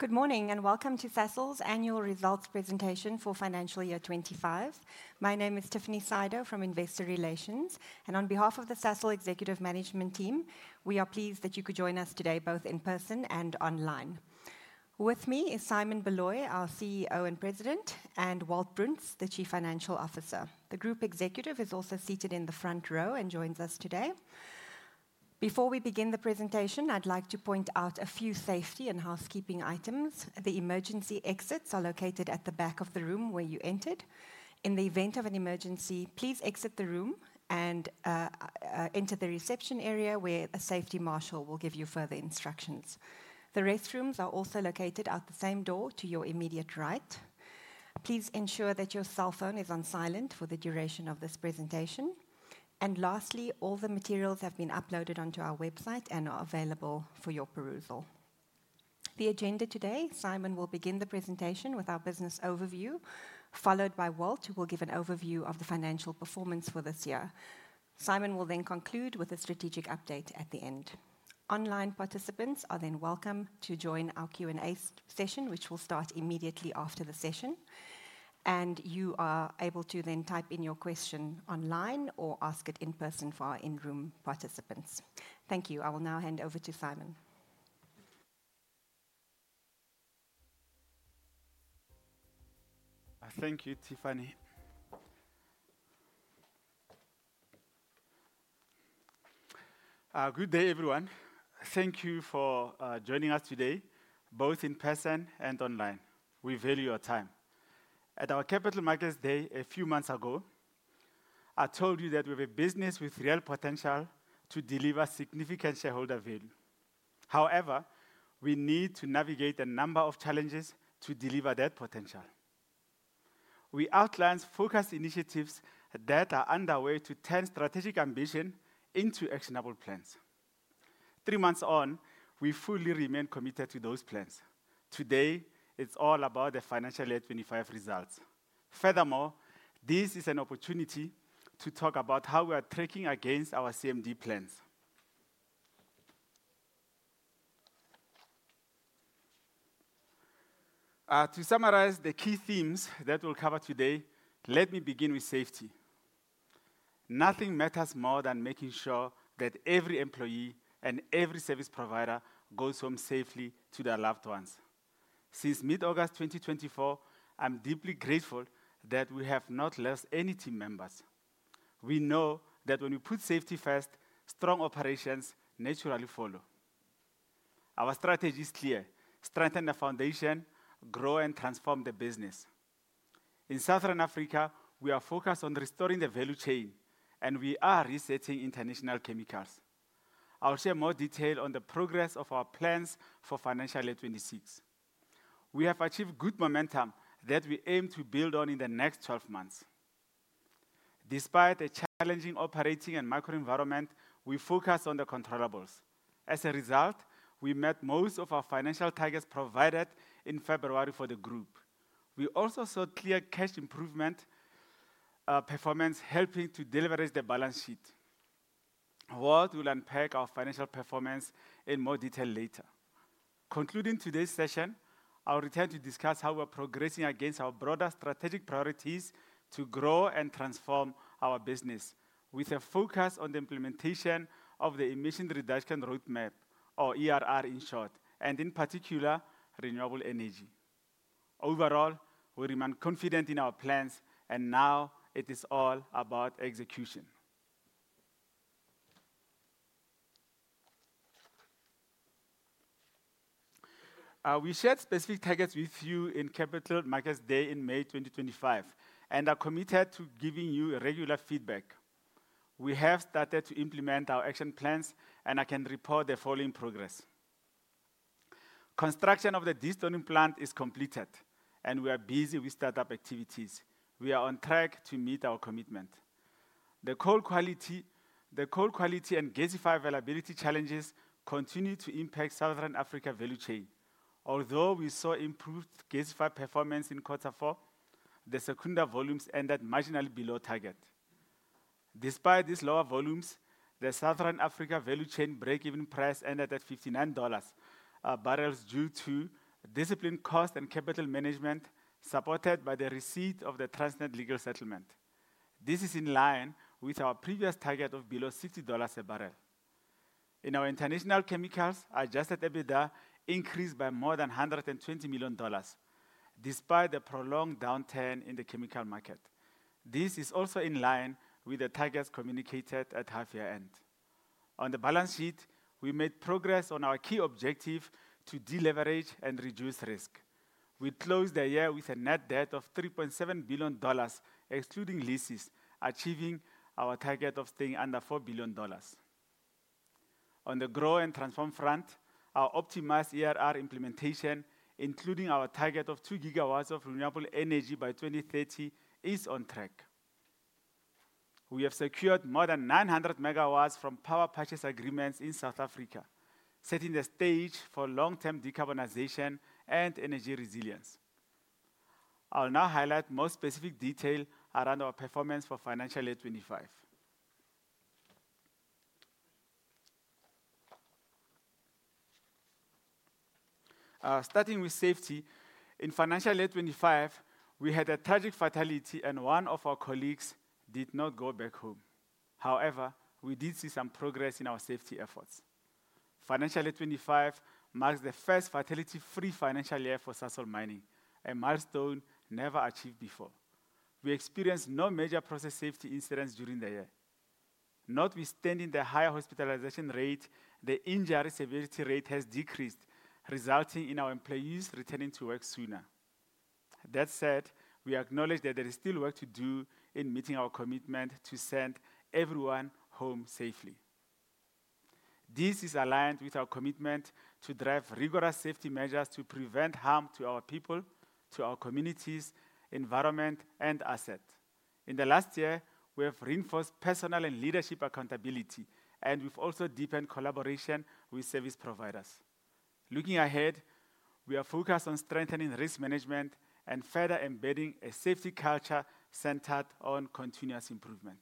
Good morning and welcome to Sasol's Annual Results Presentation for Financial Year 2025. My name is Tiffany Sydow from Investor Relations and on behalf of the Sasol Executive Management Team, we are pleased that you could join us today both in person and online. With me is Simon Baloyi, our CEO and President, and Walt Bruns, the Chief Financial Officer. The Group Executive is also seated in the front row and joins us today. Before we begin the presentation, I'd like to point out a few safety and housekeeping items. The emergency exits are located at the back of the room where you entered. In the event of an emergency, please exit the room and enter the reception area where a safety marshal will give you further instructions. The restrooms are also located out the same door to your immediate right. Please ensure that your cell phone is on silent for the duration of this presentation. Lastly, all the materials have been uploaded onto our website and are available for your perusal. The agenda today: Simon will begin the presentation with our business overview followed by Walt who will give an overview of the financial performance for this year. Simon will then conclude with a strategic update at the end. Online participants are then welcome to join our Q&A session which will start immediately after the session and you are able to then type in your question online or ask it in person for our in-room participants. Thank you. I will now hand over to Simon. Thank you, Tiffany. Good day, everyone. Thank you for joining us today both in person and online. We value your time at our Capital Markets Day. A few months ago, I told you that we have a business with real potential to deliver significant shareholder value. However, we need to navigate a number of challenges to deliver that potential. We outlined focused initiatives that are underway to turn strategic ambition into actionable plans. Three months on, we fully remain committed to those plans. Today it's all about the financial year 2025 results. Furthermore, this is an opportunity to talk about how we are tracking against our CMD plans. To summarize the key themes that we'll cover today, let me begin with safety. Nothing matters more than making sure that every employee and every service provider goes home safely to their loved ones. Since mid-August 2024, I'm deeply grateful that we have not lost any team members. We know that when we put safety first, strong operations naturally follow. Our strategy is strengthen the foundation, grow and transform the business in Southern Africa. We are focused on restoring the value chain and we are resetting international chemicals. I'll share more detail on the progress of our plans for financial year 2026. We have achieved good momentum that we aim to build on in the next 12 months. Despite the challenging operating and microenvironment, we focused on the controllables. As a result, we met most of our financial targets provided in February for the group. We also saw clear cash improvement performance, helping to deleverage the balance sheet. Walt will unpack our financial performance in more detail later. Concluding today's session, I'll return to discuss how we're progressing against our broader strategic priorities to grow and transform our business with a focus on the implementation of the Emission Reduction Roadmap, or ERR. In short, and in particular, renewable energy. Overall, we remain confident in our plans and now it is all about execution. We shared specific targets with you in Capital Markets Day in May 2025 and are committed to giving you regular feedback. We have started to implement our action plans and I can report the following progress. Construction of the destoning plant is completed and we are busy with startup activities. We are on track to meet our commitment. The coal quality and gasifier availability challenges continue to impact Southern Africa value chain. Although we saw improved gasify performance in quarter four, the Secunda volumes ended marginally below target. Despite these lower volumes, the Southern Africa value chain breakeven price ended at $59 a barrel due to disciplined cost and capital management supported by the receipt of the Transnet legal settlement. This is in line with our previous target of below $60 a barrel. In our International Chemicals, adjusted EBITDA increased by more than $120 million despite the prolonged downturn in the chemical market. This is also in line with the targets communicated at half year end. On the balance sheet, we made progress on our key objective to deleverage and reduce risk. We closed the year with a net debt of $3.7 billion excluding leases, achieving our target of staying under $4 billion. On the grow and transform front, our optimized ERR implementation, including our target of 2 GW of renewable energy by 2030, is on track. We have secured more than 900 MW from power purchase agreements in South Africa, setting the stage for long-term decarbonization and energy resilience. I'll now highlight more specific detail around our performance for financial year 2025. Starting with safety, in financial year 2025 we had a tragic fatality and one of our colleagues did not go back home. However, we did see some progress in our safety efforts. Financial year 2025 marks the first fatality-free financial year for Sasol Mining, a milestone never achieved before. We experienced no major process safety incidents during the year. Notwithstanding the higher hospitalization rate, the injury severity rate has decreased, resulting in our employees returning to work sooner. That said, we acknowledge that there is still work to do in meeting our commitment to send everyone home safely. This is aligned with our commitment to drive rigorous safety measures to prevent harm to our people, to our communities, environment, and assets. In the last year, we have reinforced personal and leadership accountability and we've also deepened collaboration with service providers. Looking ahead, we are focused on strengthening risk management and further embedding a safety culture centered on continuous improvement.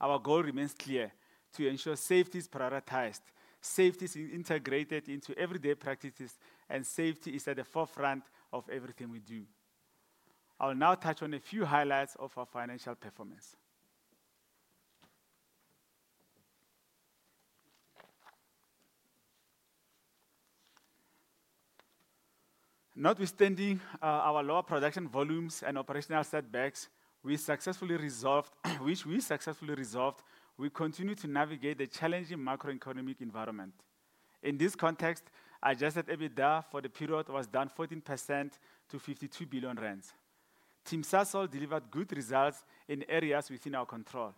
Our goal remains clear: to ensure safety is prioritized, safety is integrated into everyday practices, and safety is at the forefront of everything we do. I'll now touch on a few highlights of our financial performance. Notwithstanding our lower production volumes and operational setbacks, we continue to navigate the challenging macroeconomic environment. In this context, adjusted EBITDA for the period was down 14% to R 52 billion. Team Sasol delivered good results in areas within our control,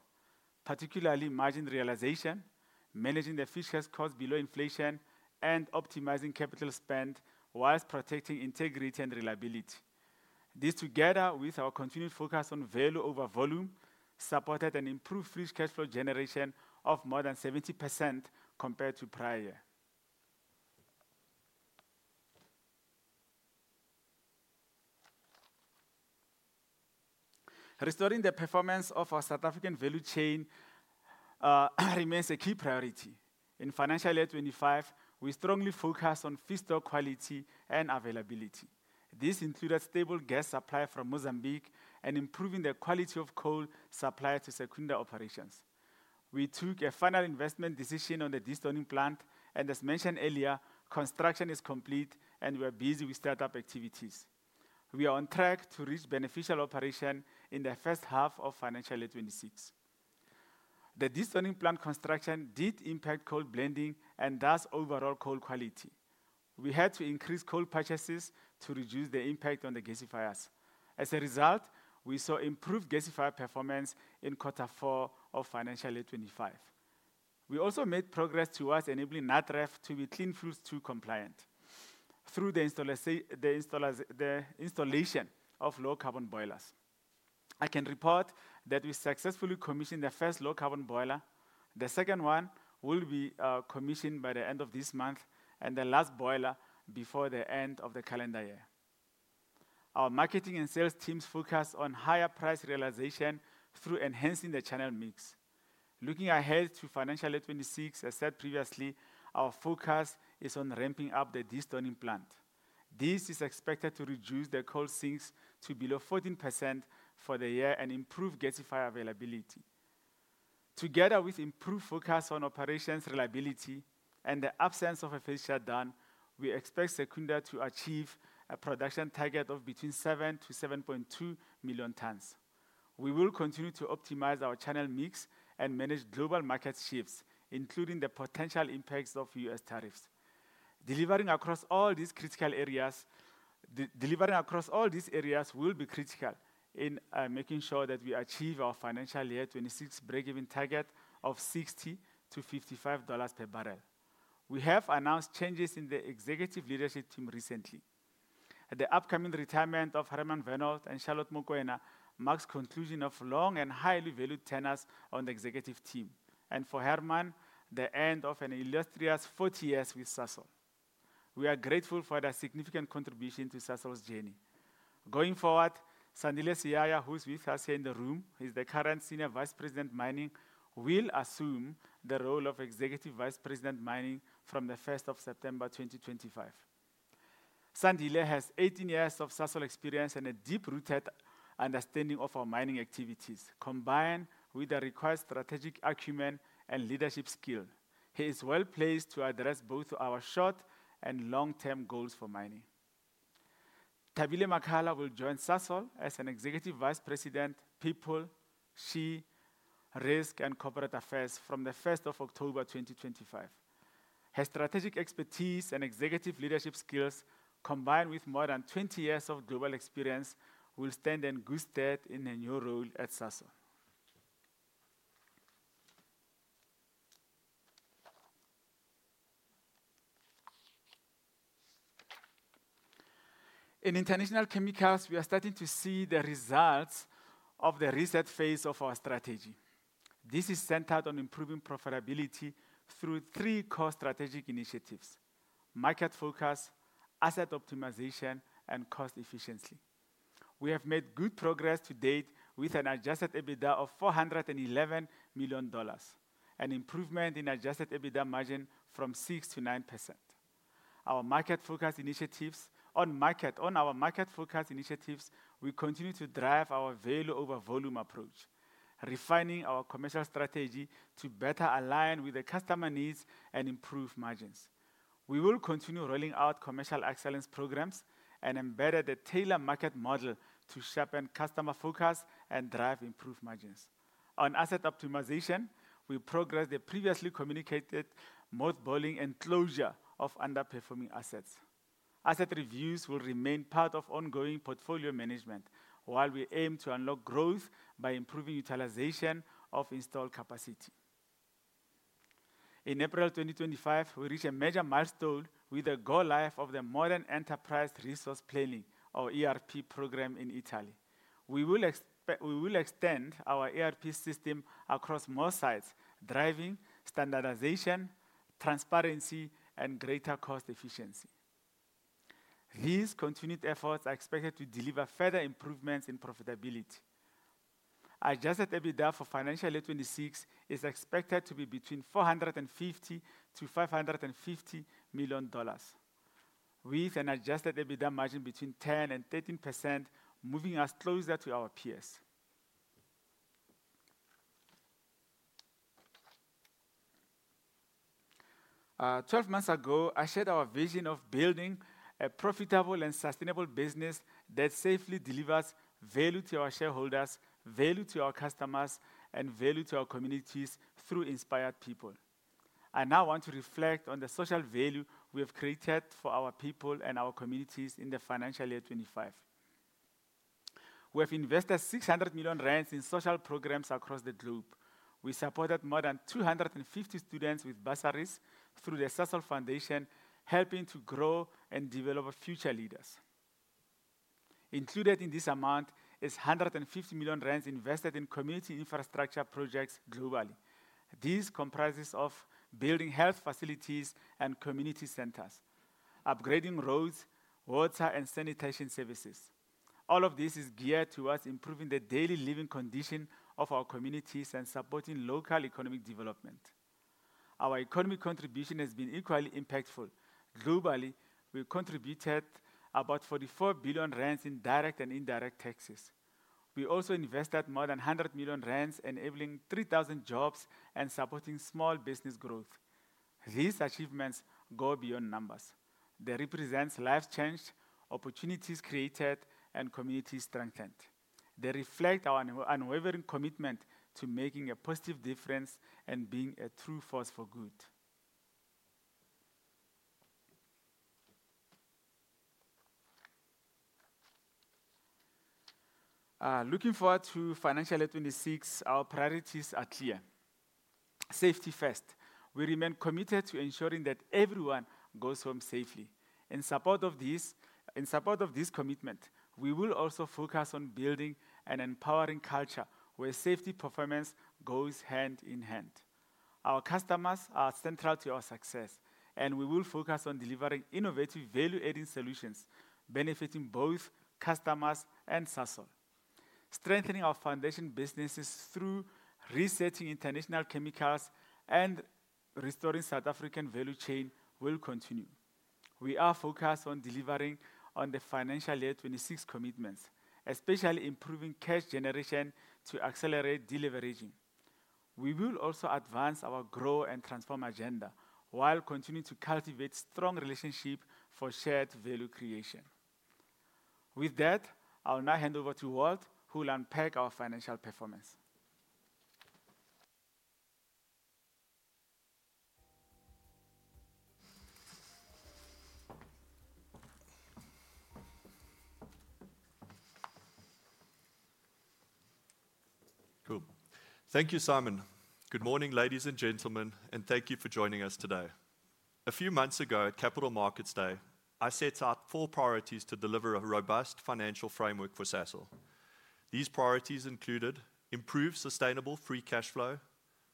particularly margin realization, managing the fixed cost below inflation, and optimizing capital spend whilst protecting integrity and reliability. This, together with our continued focus on value over volume, supported an improved free cash flow generation of more than 70% compared to prior year. Restoring the performance of our South African value chain remains a key priority in financial year 2025. We strongly focus on feedstock quality and availability. This included stable gas supply from Mozambique and improving the quality of coal supplied to Secunda operations. We took a final investment decision on the destoning plant and, as mentioned earlier, construction is complete and we are busy with startup activities. We are on track to reach beneficial operation in the first half of financial year 2026. The destoning plant construction did impact coal blending and thus overall coal quality. We had to increase coal purchases to reduce the impact on the gasifiers. As a result, we saw improved gasifier performance in quarter four of financial year 2025. We also made progress towards enabling Natref to be Clean Fuels 2 compliant through the installation of low-carbon boilers. I can report that we successfully commissioned the first low-carbon boiler. The second one will be commissioned by the end of this month and the last boiler before the end of the calendar year. Our marketing and sales teams focus on higher price realization through enhancing the channel mix. Looking ahead to financial year 2026, as said previously, our focus is on ramping up the destoning plant. This is expected to reduce the coal sinks to below 14% for the year and improve gasifier availability. Together with improved focus on operations reliability and the absence of a phased shutdown, we expect Secunda to achieve a production target of between 7 million t-7.2 million t. We will continue to optimize our channel mix and manage global market shifts, including the potential impacts of U.S. tariffs, delivering across all these critical areas. Delivering across all these areas will be critical in making sure that we achieve our financial year 2026 breakeven target of $60-$55 per barrel. We have announced changes in the Executive Leadership Team recently. The upcoming retirement of Hermann Wenhold and Charlotte Mokwena marks the conclusion of long and highly valued tenures on the Executive Team and for Hermann, the end of an illustrious 40 years with Sasol. We are grateful for their significant contribution to Sasol's journey going forward. Sandile Siyaya, who's with us here in the room, he's the current Senior Vice President Mining, will assume the role of Executive Vice President Mining from September 1, 2025. Sandile has 18 years of Sasol experience and a deep-rooted understanding of our mining activities. Combined with the required strategic acumen and leadership skill, he is well placed to address both our short and long-term goals for mining. Tabile Makala will join Sasol as an Executive Vice President People, Risk & Corporate Affairs from October 1, 2025. Her strategic expertise and executive leadership skills combined with more than 20 years of global experience will stand her in good stead in a new role at Sasol. In International Chemicals we are starting to see the results of the recent phase of our strategy. This is centered on improving profitability through three core strategic initiatives: market focus, asset optimization, and cost efficiency. We have made good progress to date with an adjusted EBITDA of $411 million, an improvement in adjusted EBITDA margin from 6% to 9% on our market focus initiatives. We continue to drive our value over volume approach, refining our commercial strategy to better align with the customer needs and improve margins. We will continue rolling out commercial excellence programs and embedded a tailored market model to sharpen forecast and drive improved margins. On asset optimization we progress the previously communicated mothballing and closure of underperforming assets. Asset reviews will remain part of ongoing portfolio management while we aim to unlock growth by improving utilization of installed capacity. In April 2025 we reach a major milestone with the go-live of the modern Enterprise Resource Planning, or ERP, program in Italy. We will extend our ERP system across more sites, driving standardization, transparency, and greater cost efficiency. These continued efforts are expected to deliver further improvements in profitability. Adjusted EBITDA for financial year 2026 is expected to be between $450 million-$550 million with an adjusted EBITDA margin between 10% and 13%, moving us closer to our peers. Twelve months ago, I shared our vision of building a profitable and sustainable business that safely delivers value to our shareholders, value to our customers, and value to our communities through inspired people. I now want to reflect on the social value we have created for our people and our communities. In the financial year 2025, we have invested 600 million rand in social programs across the globe. We supported more than 250 students with bursaries through the Sasol Foundation, helping to grow and develop future leaders. Included in this amount is 150 million rand invested in community infrastructure projects globally. This comprises building health facilities and community centers, upgrading roads, water, and sanitation services. All of this is geared towards improving the daily living condition of our communities and supporting local economic development. Our economic contribution has been equally impactful. Globally, we contributed about 44 billion rand in direct and indirect taxes. We also invested more than 100 million rand, enabling 3,000 jobs and supporting small business growth. These achievements go beyond numbers. They represent lives changed, opportunities created, and communities strengthened. They reflect our unwavering commitment to making a positive difference and being a true force for good. Looking forward to financial year 2026, our priorities are clear. Safety first. We remain committed to ensuring that everyone goes home safely. In support of this commitment, we will also focus on building an empowering culture where safety performance goes hand in hand. Our customers are central to our success, and we will focus on delivering innovative, value-adding solutions benefiting both customers and Sasol. Strengthening our foundation businesses through researching international chemicals and restoring South African value chain will continue. We are focused on delivering on the financial year 2026 commitments, especially improving cash generation to accelerate deleveraging. We will also advance our grow and transform agenda while continuing to cultivate strong relationships for shared value creation. With that, I'll now hand over to Walt who will unpack our financial performance. Cool. Thank you, Simon. Good morning, ladies and gentlemen, and thank you for joining us today. A few months ago at Capital Markets Day, I set out four priorities to deliver a robust financial framework for Sasol. These priorities included: improve sustainable free cash flow,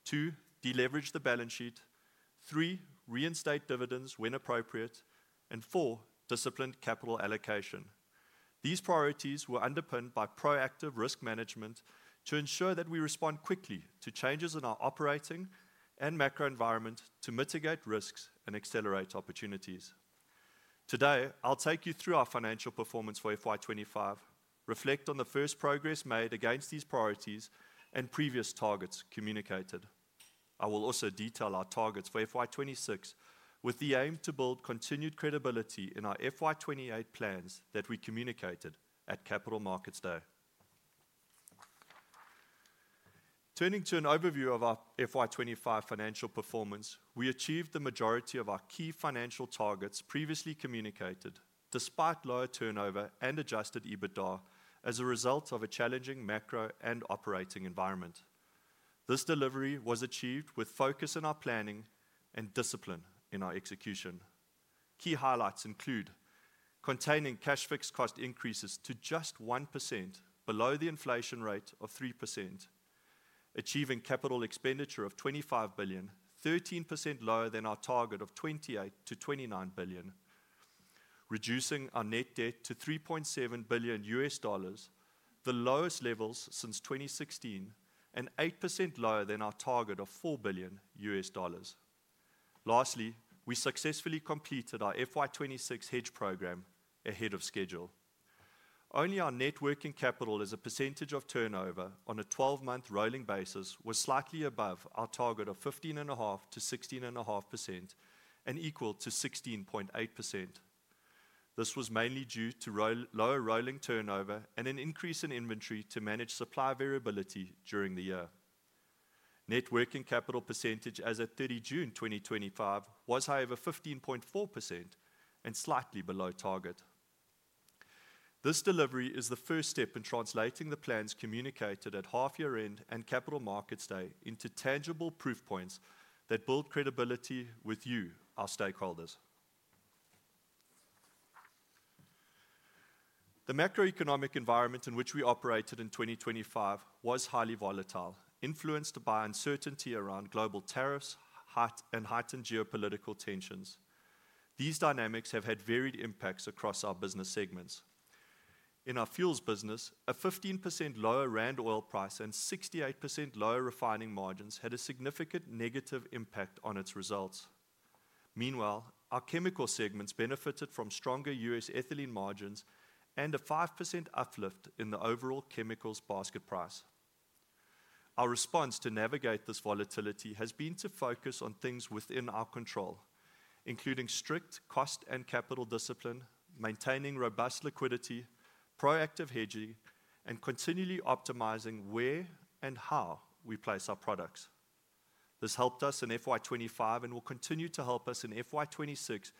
2 deleverage the balance sheet, 3 reinstate dividends when appropriate, and 4 disciplined capital allocation. These priorities were underpinned by proactive risk management to ensure that we respond quickly to changes in our operating and macro environment to mitigate risks and accelerate opportunities. Today, I'll take you through our financial performance for FY 2025, reflect on the progress made against these priorities and previous targets communicated. I will also detail our targets for FY 2026 with the aim to build continued credibility in our FY 2028 plans that we communicated at Capital Markets Day. Turning to an overview of our FY 2025 financial performance, we achieved the majority of our key financial targets previously communicated despite lower turnover and adjusted EBITDA. As a result of a challenging macro and operating environment, this delivery was achieved with focus in our planning and discipline in our execution. Key highlights include containing cash fixed cost increases to just 1% below the inflation rate of 3%, achieving capital expenditure of R25 billion, 13% lower than our target of R28 billion-R29 billion, reducing our net debt to $3.7 billion, the lowest levels since 2016 and 8% lower than our target of $4 billion. Lastly, we successfully completed our FY 2026 hedge program ahead of schedule. Our net working capital as a percentage of turnover on a 12-month rolling basis was slightly above our target of 15.5%-16.5% and equal to 16.8%. This was mainly due to lower rolling turnover and an increase in inventory to manage supply variability during the year. Net working capital percentage as at 30 June 2025 was, however, 15.4% and slightly below target. This delivery is the first step in translating the plans communicated at half year end and Capital Markets Day into tangible proof points that build credibility with you, our stakeholders. The macroeconomic environment in which we operated in 2025 was highly volatile, influenced by uncertainty around global tariffs and heightened geopolitical tensions. These dynamics have had varied impacts across our business segments. In our fuels business, a 15% lower rand oil price and 68% lower refining margins had a significant negative impact on its results. Meanwhile, our chemical segments benefited from stronger U.S. ethylene margins and a 5% uplift in the overall chemicals basket price. Our response to navigate this volatility has been to focus on things within our control, including strict cost and capital discipline, maintaining robust liquidity, proactive hedging, and continually optimizing where and how we place our products. This helped us in FY 2025 and will continue to help us in FY 2026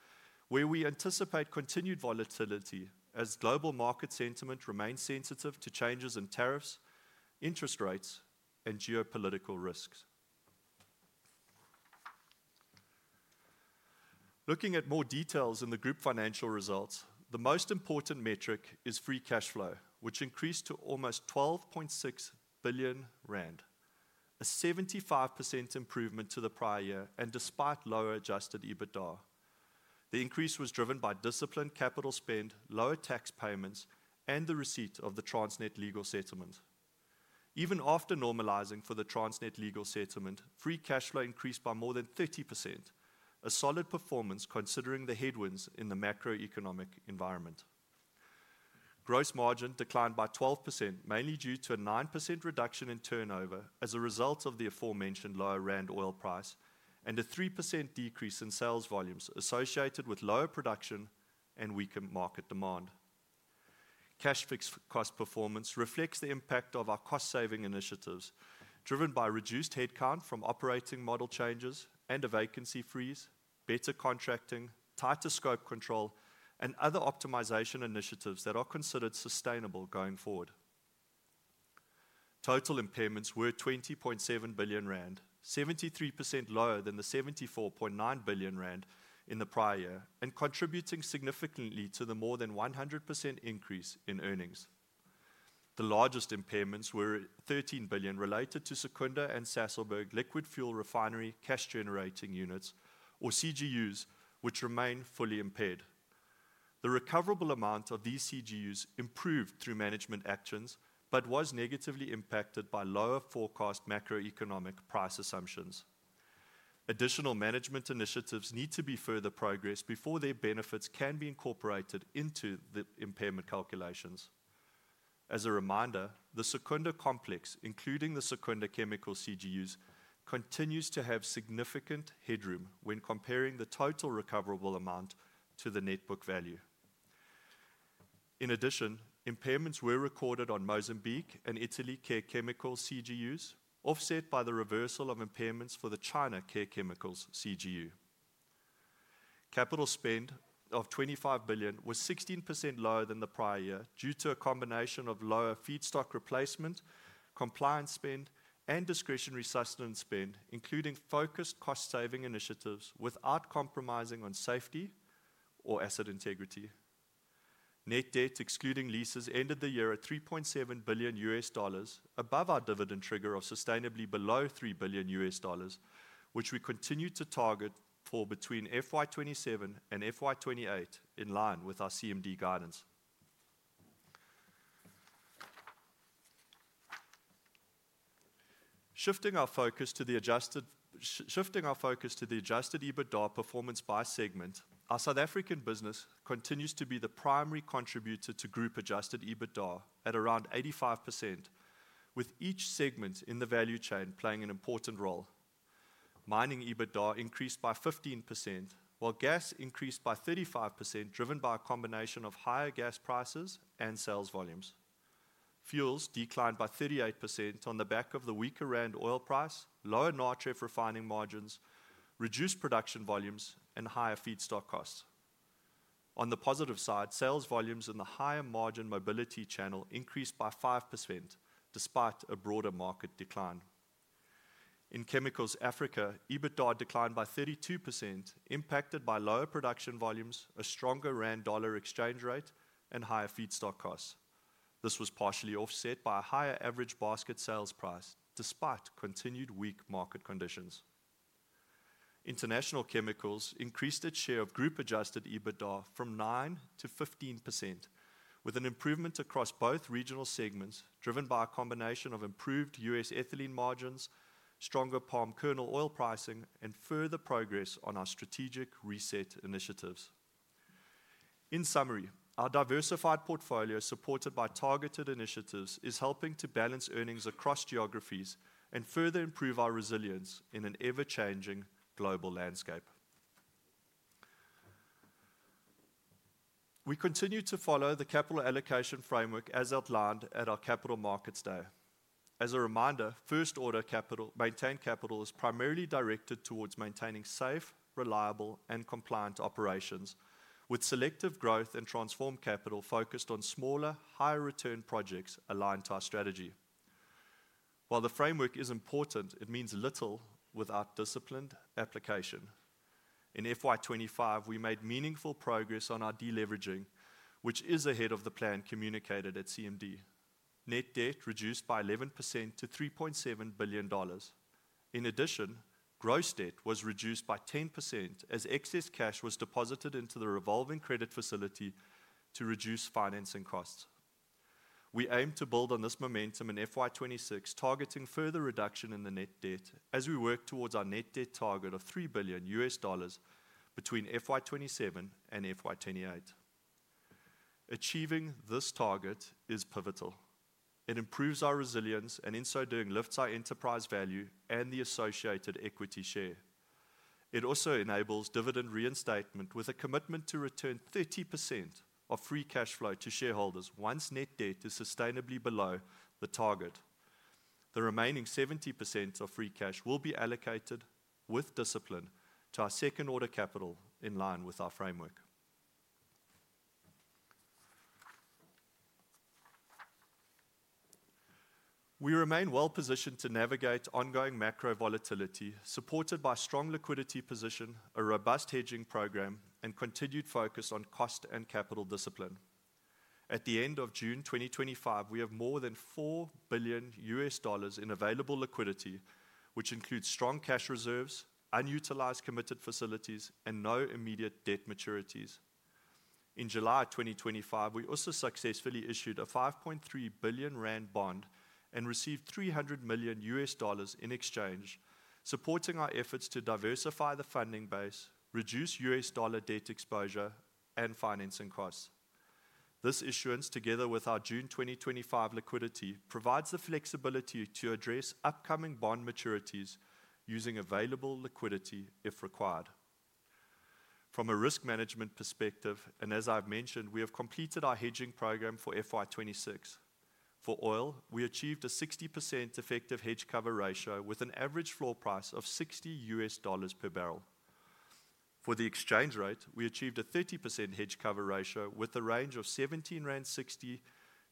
where we anticipate continued volatility as global market sentiment remains sensitive to changes in tariffs, interest rates, and geopolitical risks. Looking at more details in the group financial results, the most important metric is free cash flow, which increased to almost R12.6 billion, a 75% improvement to the prior year and despite lower adjusted EBITDA. The increase was driven by disciplined capital spend, lower tax payments, and the receipt of the Transnet legal settlement. Even after normalizing for the Transnet legal settlement, free cash flow increased by more than 30%, a solid performance considering the headwinds in the macroeconomic environment. Gross margin declined by 12% mainly due to a 9% reduction in turnover as a result of the aforementioned lower rand oil price and a 3% decrease in sales volumes associated with lower production and weakened market demand. Cash fixed cost performance reflects the impact of our cost saving initiatives driven by reduced headcount from operating model changes and a vacancy freeze, better contracting, tighter scope control, and other optimization initiatives that are considered sustainable going forward. Total impairments were R20.7 billion, 73% lower than the R74.9 billion in the prior year and contributing significantly to the more than 100% increase in earnings. The largest impairments were R13 billion related to Secunda and Sasolburg Liquid Fuel Refinery cash generating units or CGUs, which remain fully impaired. The recoverable amount of these CGUs improved through management actions but was negatively impacted by lower forecast macroeconomic price assumptions. Additional management initiatives need to be further progressed before their benefits can be incorporated into the impairment calculations. As a reminder, the Secunda Complex, including the Secunda Chemicals CGUs, continues to have significant headroom when comparing the total recoverable amount to the net book value. In addition, impairments were recorded on Mozambique and Italy Care Chemicals CGUs, offset by the reversal of impairments for the China Care Chemicals CGU. Capital spend of R25 billion was 16% lower than the prior year due to a combination of lower feedstock replacement compliance spend and discretionary sustenance spend, including focused cost-saving initiatives without compromising on safety or asset integrity. Net debt excluding leases ended the year at $3.7 billion, above our dividend trigger of sustainably below $3 billion, which we continue to target for between FY 2027 and FY 2028 in line with our CMD guidance. Shifting our focus to the adjusted EBITDA performance by segment, our South African business continues to be the primary contributor to group adjusted EBITDA at around 85%, with each segment in the value chain playing an important role. Mining EBITDA increased by 15% while gas increased by 35%, driven by a combination of higher gas prices and sales volumes. Fuels declined by 38% on the back of the weaker rand oil price, lower Natref refining margins, reduced production volumes, and higher feedstock costs. On the positive side, sales volumes in the higher margin mobility channel increased by 5% despite a broader market decline. In Chemicals Africa, EBITDA declined by 32%, impacted by lower production volumes, a stronger rand-dollar exchange rate, and higher feedstock costs. This was partially offset by a higher average basket sales price, despite continued weak market conditions. International Chemicals increased its share of group adjusted EBITDA from 9% to 15%, with an improvement across both regional segments driven by a combination of improved U.S. ethylene margins, stronger palm kernel oil pricing, and further progress on our strategic reset initiatives. In summary, our diversified portfolio supported by targeted initiatives is helping to balance earnings across geographies and further improve our resilience in an ever-changing global landscape. We continue to follow the capital allocation framework as outlined at our Capital Markets Day. As a reminder, first order maintained capital is primarily directed towards maintaining safe, reliable, and compliant operations with selective growth and transformed capital focused on smaller, higher return projects aligned to our strategy. While the framework is important, it means little without disciplined application. In FY 2025 we made meaningful progress on our deleveraging, which is ahead of the plan communicated at CMD. Net debt reduced by 11% to $3.7 billion. In addition, gross debt was reduced by 10% as excess cash was deposited into the revolving credit facility to reduce financing costs. We aim to build on this momentum in FY26, targeting further reduction in the net debt as we work towards our net debt target of $3 billion between FY 2027 and FY 2028. Achieving this target is pivotal. It improves our resilience and in so doing lifts our enterprise value and the associated equity share. It also enables dividend reinstatement with a commitment to return 30% of free cash flow to shareholders. Once net debt is sustainably below the target, the remaining 70% of free cash will be allocated with discipline to our second order capital. In line with our framework, we remain well positioned to navigate ongoing macro volatility supported by strong liquidity position, a robust hedging program, and continued focus on cost and capital discipline. At the end of June 2025, we have more than $4 billion in available liquidity, which includes strong cash reserves, unutilized committed facilities, and no immediate debt maturities. In July 2025, we also successfully issued a R5.3 billion bond and received $300 million in exchange, supporting our efforts to diversify the funding base, reduce U.S. dollar debt exposure, and financing costs. This issuance together with our June 2025 liquidity provides the flexibility to address upcoming bond maturities and using available liquidity if required. From a risk management perspective, and as I've mentioned, we have completed our hedging program for FY 2026. For oil, we achieved a 60% effective hedge cover ratio with an average floor price of $60 per barrel. For the exchange rate, we achieved a 30% hedge cover ratio with a range of R17.60-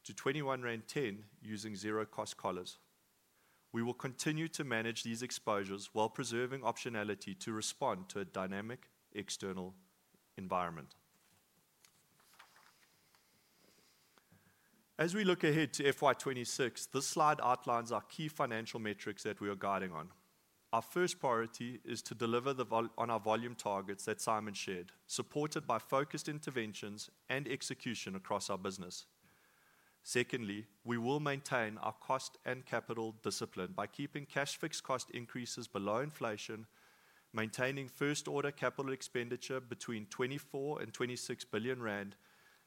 R21.10 using zero cost collars. We will continue to manage these exposures while preserving optionality to respond to a dynamic external environment as we look ahead to FY 2026. This slide outlines our key financial metrics that we are guiding on. Our first priority is to deliver on our volume targets that Simon shared, supported by focused interventions and execution across our business. Secondly, we will maintain our cost and capital discipline by keeping cash fixed cost increases below inflation, maintaining first order capital expenditure between R24 billion and R26 billion,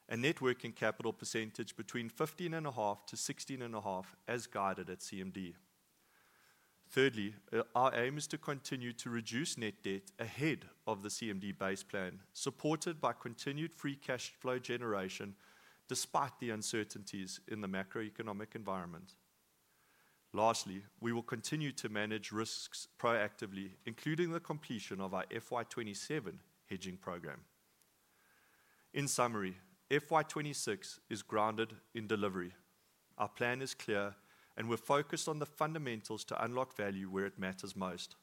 and net working capital percentage between 15.5%-16.5% as guided at CMD. Thirdly, our aim is to continue to reduce net debt ahead of the CMD base plan supported by continued free cash flow generation despite the uncertainties in the macroeconomic environment. Lastly, we will continue to manage risks proactively, including the completion of our FY 2027 hedging program. In summary, FY 2026 is grounded in delivery, our plan is clear and we're focused on the fundamentals to unlock value where it matters most.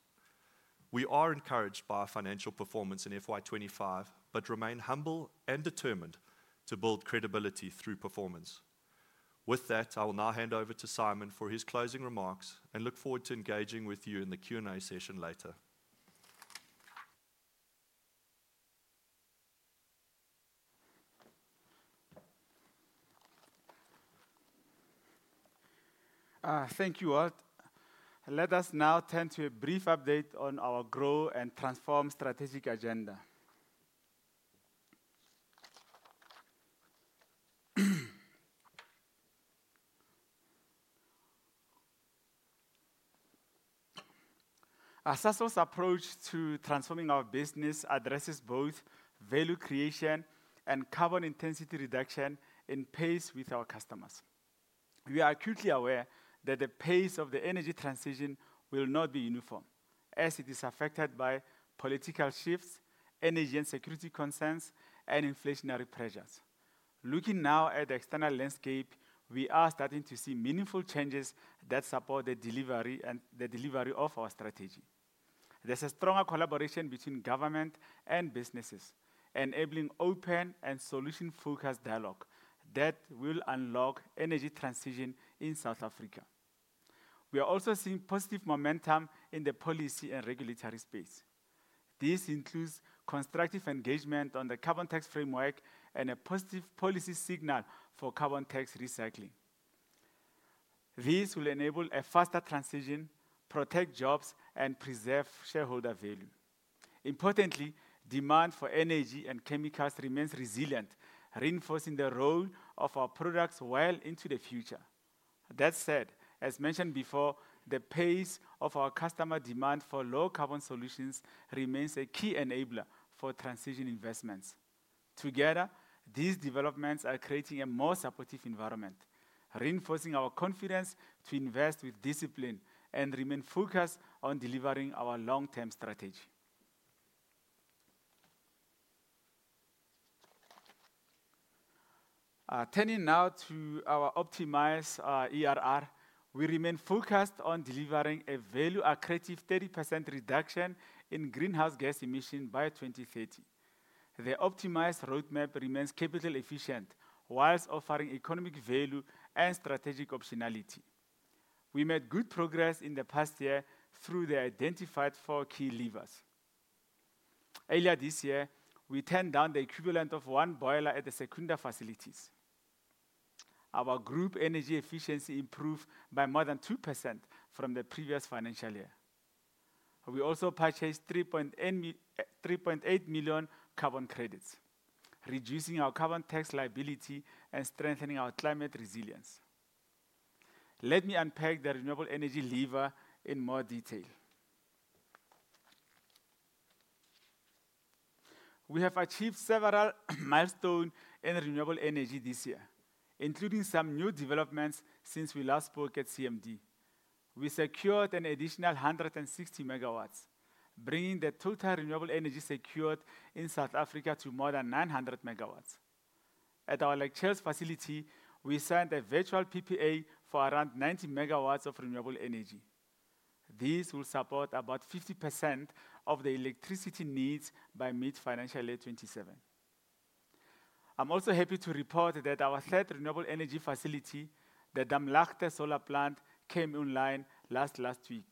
We are encouraged by our financial performance in FY 2025 but remain humble and determined to build credibility through performance. With that, I will now hand over to Simon for his closing remarks and look forward to engaging with you in the Q&A session later. Thank you, Walt. Let us now turn to a brief update on our grow and transform strategic agenda. Sasol's approach to transforming our business addresses both value creation and carbon intensity reduction in pace with our customers. We are acutely aware that the pace of the energy transition will not be uniform as it is affected by political shifts, energy and security concerns, and inflationary pressures. Looking now at the external landscape, we are starting to see meaningful changes that support the delivery of our strategy. There's a stronger collaboration between government and businesses, enabling open and solution-focused dialogue that will unlock energy transition in South Africa. We are also seeing positive momentum in the policy and regulatory space. This includes constructive engagement on the carbon tax framework and a positive policy signal for carbon tax recycling. This will enable a faster transition, protect jobs, and preserve shareholder value. Importantly, demand for energy and chemicals remains resilient, reinforcing the role of our products well into the future. That said, as mentioned before, the pace of our customer demand for low-carbon solutions remains a key enabler for transition investments. Together, these developments are creating a more supportive environment, reinforcing our confidence to invest with discipline and remain focused on delivering our long-term strategy. Turning now to our optimized ERR, we remain focused on delivering a value-accretive 30% reduction in greenhouse gas emission by 2030. The optimized roadmap remains capital efficient while offering economic value and strategic optionality. We made good progress in the past year through the identified four key levers. Earlier this year, we turned down the equivalent of one boiler at the Secunda facilities. Our group energy efficiency improved by more than 2% from the previous financial year. We also purchased 3.8 million carbon credits, reducing our carbon tax liability and strengthening our climate resilience. Let me unpack the renewable energy lever in more detail. We have achieved several milestones in renewable energy this year, including some new developments since we last spoke at CMD. We secured an additional 160 MW, bringing the total renewable energy secured in South Africa to more than 900 MW. At our Secunda facility, we signed a virtual PPA for around 90 MW of renewable energy. This will support about 50% of the electricity needs by mid financial year 2027. I'm also happy to report that our third renewable energy facility, the Damlakhte Solar plant, came online last week.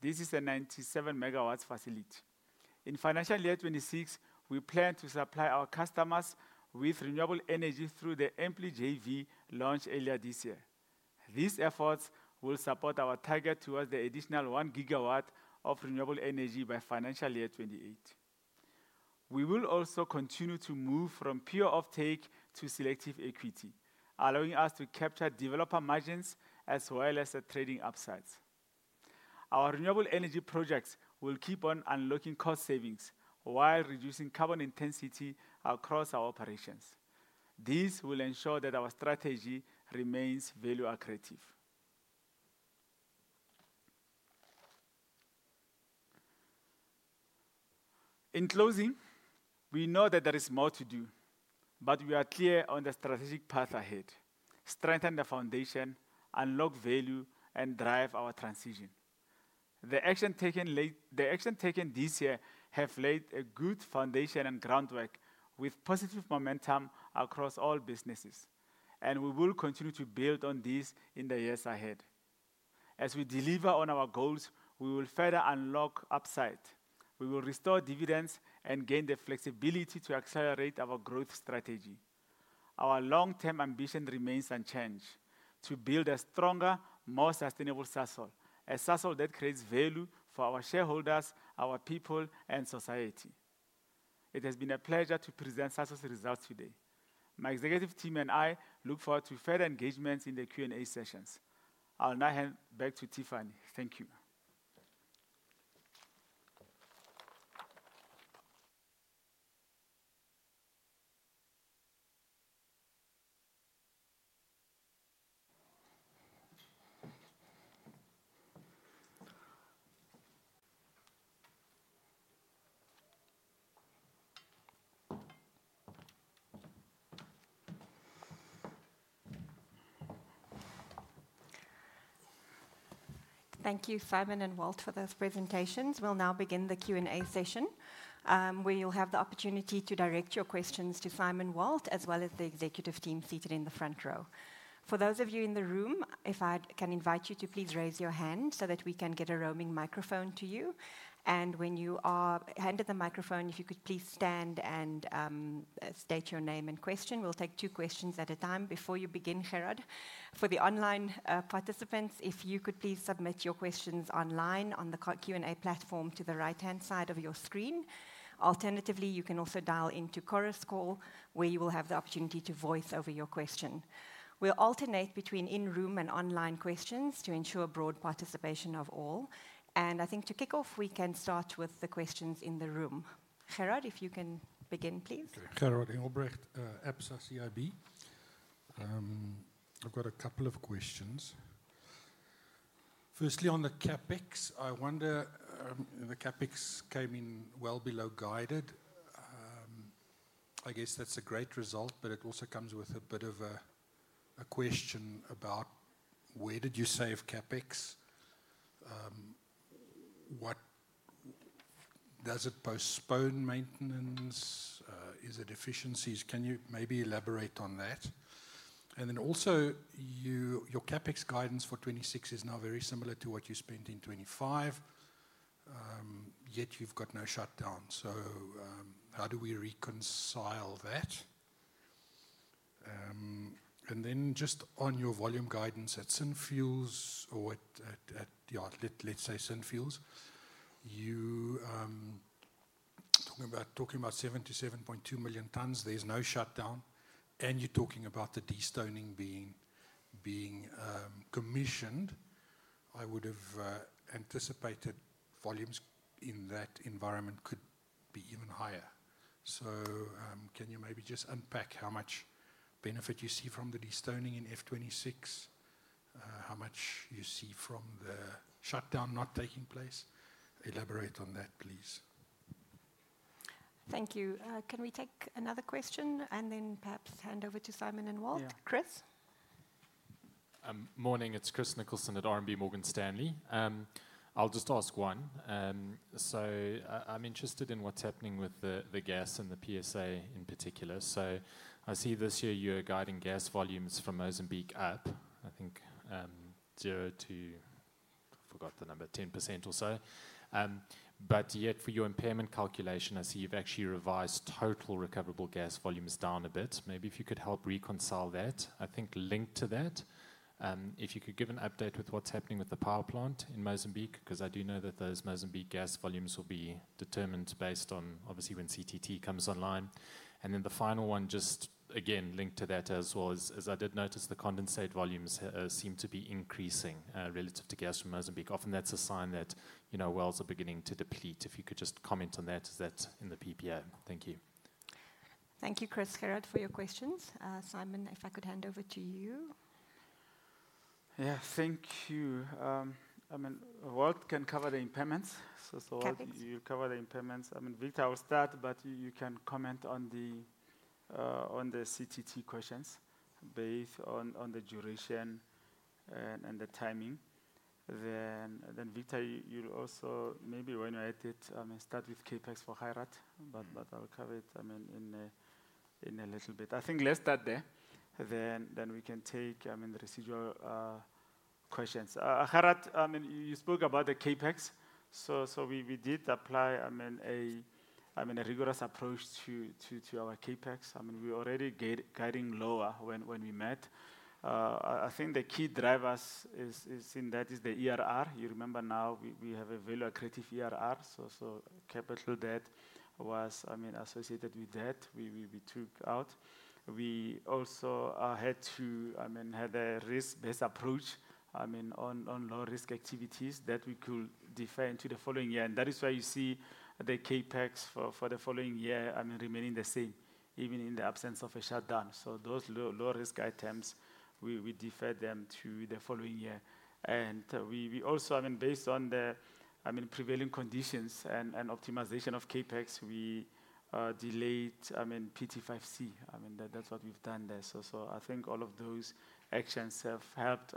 This is a 97 MW facility. In financial year 2026, we plan to supply our customers with renewable energy through the AMPLIJV launched earlier this year. These efforts will support our target towards the additional 1 GW of renewable energy by financial year 2028. We will also continue to move from pure offtake to selective equity, allowing us to capture developer margins as well as the trading upsides. Our renewable energy projects will keep on unlocking cost savings while reducing carbon intensity across our operations. This will ensure that our strategy remains value-accretive. In closing, we know that there is more to do, but we are clear on the strategic path ahead: strengthen the foundation, unlock value, and drive our transition. The actions taken this year have laid a good foundation and groundwork with positive momentum across all businesses, and we will continue to build on this in the years ahead. As we deliver on our goals, we will further unlock upside, we will restore dividends, and gain the flexibility to accelerate our growth strategy. Our long-term ambition remains unchanged: to build a stronger, more sustainable Sasol. A Sasol that creates value for our shareholders, our people, and society. It has been a pleasure to present Sasol's results today. My executive team and I look forward to further engagement in the Q and A sessions. I'll now hand back to Tiffany. Thank you. Thank you, Simon and Walt, for those presentations. We'll now begin the Q and A session where you'll have the opportunity to direct your questions to Simon, Walt, as well as the executive team seated in the front row. For those of you in the room, if I can invite you to please raise your hand so that we can get a roaming microphone to you. When you are handed the microphone, if you could please stand and state your name and question. We'll take two questions at a time. Before you begin, Gerard, for the online participants, if you could please submit your questions online on the Q and A platform to the right-hand side of your screen. Alternatively, you can also dial into Cora's Call where you will have the opportunity to voice over your question. We'll alternate between in-room and online questions to ensure broad participation of all. I think to kick off, we can start with the questions in the room. Harald, if you can begin please. I've got a couple of questions. Firstly on the CapEx. I wonder, the CapEx came in well below guided. I guess that's a great result. It also comes with a bit of a question about where did you save CapEx? Was it postponed maintenance? Is it efficiencies? Can you maybe elaborate on that? Also, your CapEx guidance for 2026 is now very similar to what you spent in 2025, yet you've got no shutdown. How do we reconcile that? Just on your volume guidance at Synfuels or at, let's say, Synfuels. You. Talking about 7 million t-7.2 million t? There's no shutdown and you're talking about the destoning being commissioned. I would have anticipated volumes in that environment could be even higher. Can you maybe just unpack how much benefit you see from the destoning in FY 2026, how much you see from the shutdown not taking place? Elaborate on that please. Thank you. Can we take another question and then perhaps hand over to Simon and Walt? Chris. Morning, it's Chris Nicholson at RMB Morgan Stanley. I'll just ask one. I'm interested in what's happening with the gas and the PSA in particular. I see this year you're guiding gas volumes from Mozambique out, I think 0% to, forgot the number, 10% or so. Yet for your impairment calculation, I see you've actually revised total recoverable gas volumes down a bit. Maybe if you could help reconcile that. I think linked to that, if you could give an update with what's happening with the power plant in Mozambique because I do know that those Mozambique gas volumes will be determined based on obviously when CTT comes online. The final one, just again linked to that as well, is I did notice the condensate volumes seem to be increasing relative to gas from Mozambique. Often that's a sign that, you know, wells are beginning to deplete. If you could just comment on that. Is that in the PPA? Thank you. Thank you, Chris Nicholson, for your questions. Simon, if I could hand over to you. Yeah, thank you. I mean Walt can cover the impairments. You cover the impairments. I mean, Victor, I will start but you can comment on the CTT questions based on the duration and the timing. Then Victor, you also maybe when you edit start with CapEx for Harat but I'll cover it in a little bit. I think let's start there, then we can take the residual questions. Harat, you spoke about the CapEx. We did apply a rigorous approach to our CapEx. We are already guiding lower when we met. I think the key drivers in that is the ERR. You remember now we have a very accretive ERR, so capital debt was associated with that we took out. We also had to have a risk-based approach on low-risk activities that we could defer until the following year. That is why you see the CapEx for the following year remaining the same even in the absence of a shutdown. Those low-risk items, we defer them to the following year and we also, based on the prevailing conditions and optimization of CapEx, delayed PT5C. That's what we've done there. I think all of those actions have helped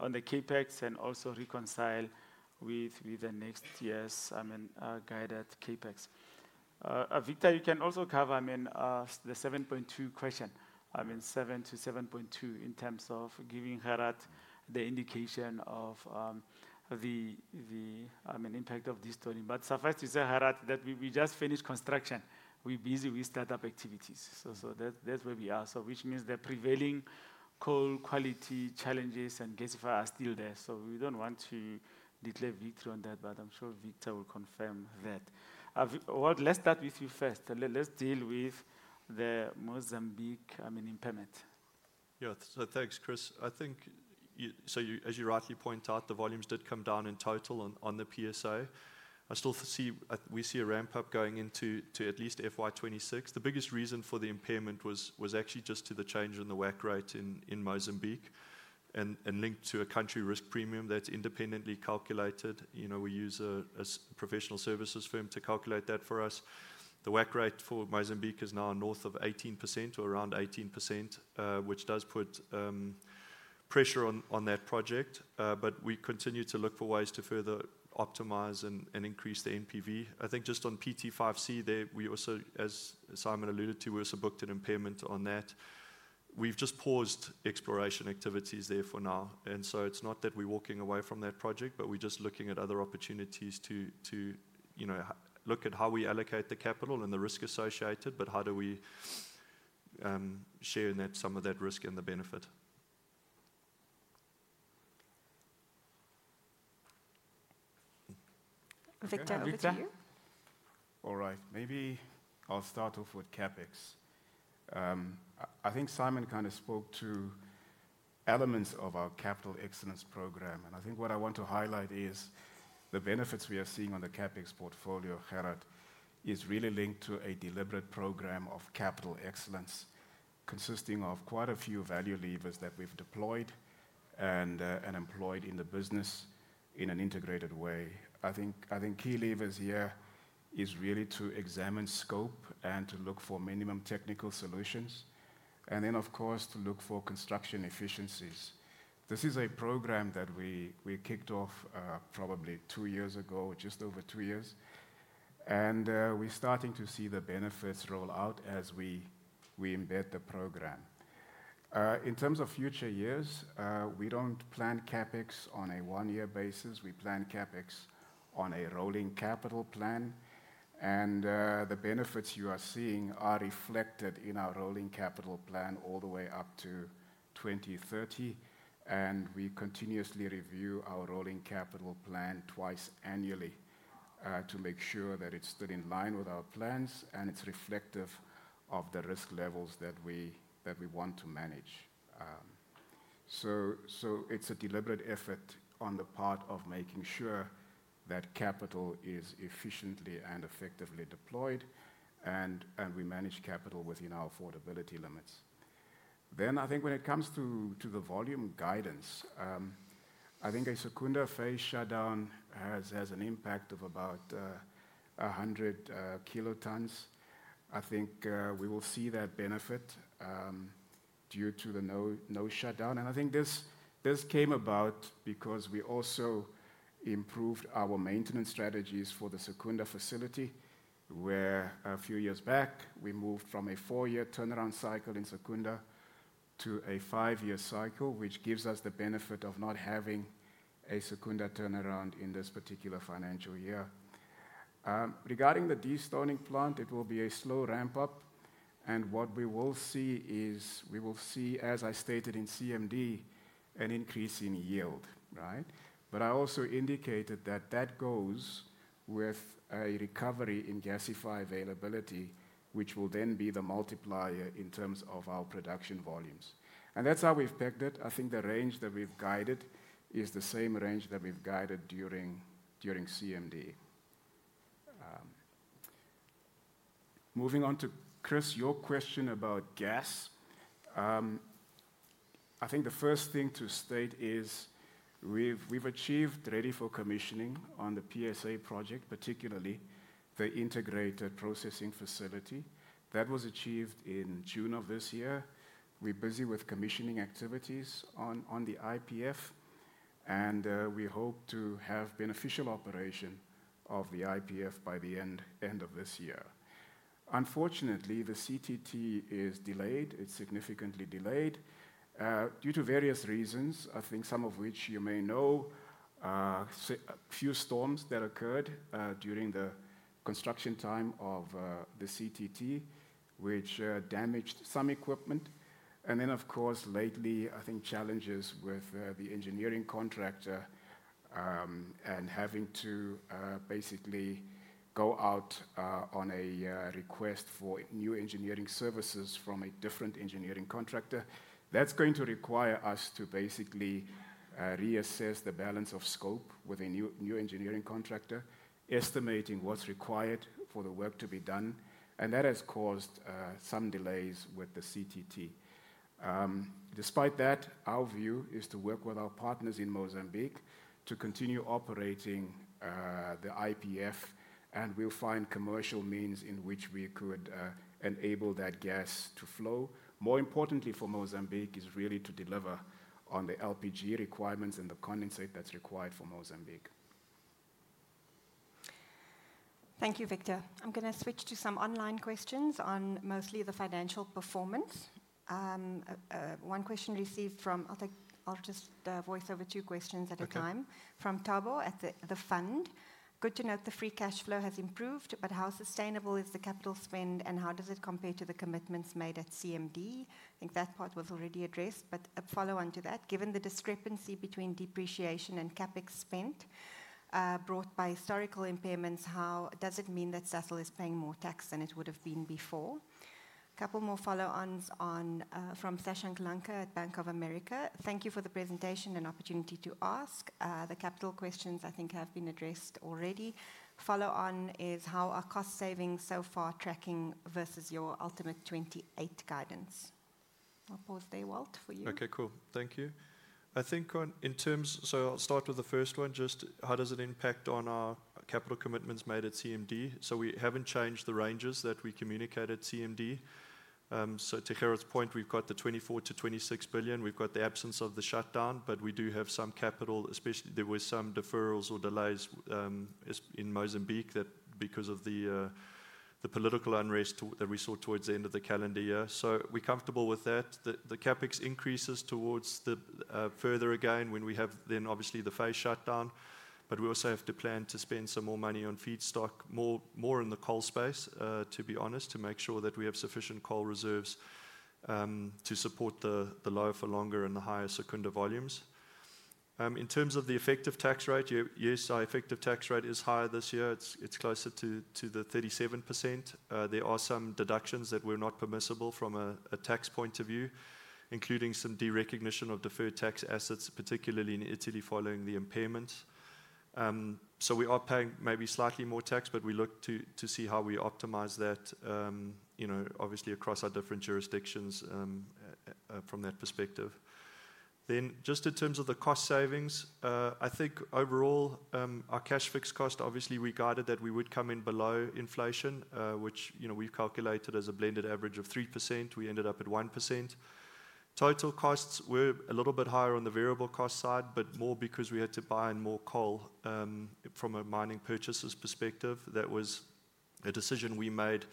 on the CapEx and also reconcile with the next year's guided CapEx. Victor, you can also cover the 7.2 question. I mean 7 to 7.2 in terms of giving Harat the indication of the impact of this story. Suffice to say, Harat, that we just finished construction, we're busy with startup activities, so that's where we are. Which means the prevailing coal quality challenges and gasifier are still there. We don't want to declare victory on that, but I'm sure Victor will confirm that. Let's start with you first. Let's deal with the Mozambique, I mean impairment. Yeah, so thanks, Chris. I think, as you rightly point out, the volumes did come down in total on the PSA. I still see, we see a ramp up going into at least FY 2026. The biggest reason for the impairment was actually just the change in the WACC rate in Mozambique and linked to a country risk premium that's independently calculated. We use a professional services firm to calculate that for us. The WACC rate for Mozambique is now north of 18% or around 18%, which does put pressure on that project. We continue to look for ways to further optimize and increase the NPV. I think just on PT5C there, as Simon alluded to, we also booked an impairment on that. We've just paused exploration activities there for now. It's not that we're walking away from that project, we're just looking at other opportunities to look at how we allocate the capital and the risk associated. How do we share net some of that risk and the benefit? Victor, over to you. All right, maybe I'll start off with CapEx. I think Simon kind of spoke to elements of our capital excellence program, and I think what I want to highlight is the benefits we are seeing on the CapEx portfolio. Gerard is really linked to a deliberate program of capital excellence consisting of quite a few value levers that we've deployed and employed in the business in an integrated way. I think key levers here are really to examine scope and to look for minimum technical solutions, and of course to look for construction efficiencies. This is a program that we kicked off probably two years ago, just over two years. We're starting to see the benefits roll out as we embed the program in terms of future years. We don't plan CapEx on a one-year basis. We plan CapEx on a rolling capital plan, and the benefits you are seeing are reflected in our rolling capital plan all the way up to 2030. We continuously review our rolling capital plan twice annually to make sure that it is in line with our plans and it's reflective of the risk levels that we want to manage. It is a deliberate effort on the part of making sure that capital is efficiently and effectively deployed, and we manage capital within our affordability limits. When it comes to the volume guidance, I think a Secunda phase shutdown has an impact of about 100 kt. We will see that benefit due to the no shutdown. This came about because we also improved our maintenance strategies for the Secunda facility, where a few years back we moved from a four-year turnaround cycle in Secunda to a five-year cycle, which gives us the benefit of not having a Secunda turnaround in this particular financial year. Regarding the destoning plant, it will be a slow ramp up, and what we will see is, as I stated in CMD, an increase in yield. I also indicated that goes with a recovery in gasifier availability, which will then be the multiplier in terms of our production volumes, and that's how we've pegged the range that we've guided. It is the same range that we've guided during CMD. Moving on to Chris, your question about gas. The first thing to state is we've achieved ready for commissioning on the PSA project, particularly the integrated processing facility. That was achieved in June of this year. We're busy with commissioning activities on the IPF, and we hope to have beneficial operation of the IPF by the end of this year. Unfortunately, the CTT is delayed. It's significantly delayed due to various reasons, I think some of which you may know—a few storms that occurred during the construction time of the CTT, which damaged some equipment, and then, of course, lately, I think challenges with the engineering contractor and having to basically go out on a request for new engineering services from a different engineering contractor. That's going to require us to basically reassess the balance of scope with a new engineering contractor estimating what's required for the work to be done, and that has caused some delays with the CTT. Despite that, our view is to work with our partners in Mozambique to continue operating the IPF, and we'll find commercial means in which we could enable that gas to flow. More importantly for Mozambique is really to deliver on the LPG requirements and the condensate that's required for Mozambique. Thank you, Victor. I'm going to switch to some online questions on mostly the financial performance. One question received from Thabo at the fund. Good to note the free cash flow has improved, but how sustainable is the capital spend and how does it compare to the commitments made at CMD? I think that part was already addressed, but a follow on to that: given the discrepancy between depreciation and CapEx spent brought by historical impairments, does it mean that Sasol is paying more tax than it would have been before? A couple more follow ons from Sashank Lanka at Bank of America. Thank you for the presentation and opportunity to ask. The capital questions I think have been addressed already. Follow on is how are cost savings so far, tracking versus your ultimate 2028 guidance. I'll pause there, Walt, for you. Okay, cool. Thank you. I think in terms, I'll start with the first one. Just how does it impact on our capital commitments made at CMD? We haven't changed the ranges that we communicate at CMD. To Gerald's point, we've got the 24 billion-26 billion, we've got the absence of the shutdown, but we do have some capital, especially there were some deferrals or delays in Mozambique because of the political unrest that we saw towards the end of the calendar year. We're comfortable with that. The CapEx increases further again when we have the phase shutdown. We also have to plan to spend some more money on feedstock, more in the coal space to be honest, to make sure that we have sufficient coal reserves to support the low for longer and the higher Secunda volumes. In terms of the effective tax rate, yes, our effective tax rate is higher this year. It's closer to 37%. There are some deductions that were not permissible from a tax point of view, including some derecognition of deferred tax assets, particularly in Italy following the impairments. We are paying maybe slightly more tax, but we look to see how we optimize that, obviously across our different jurisdictions. From that perspective, just in terms of the cost savings, I think overall our cash fixed cost, obviously we guided that we would come in below inflation, which we've calculated as a blended average of 3%. We ended up at 1%. Total costs were a little bit higher on the variable cost side, but more because we had to buy in more coal from a mining purchases perspective. That was a decision we made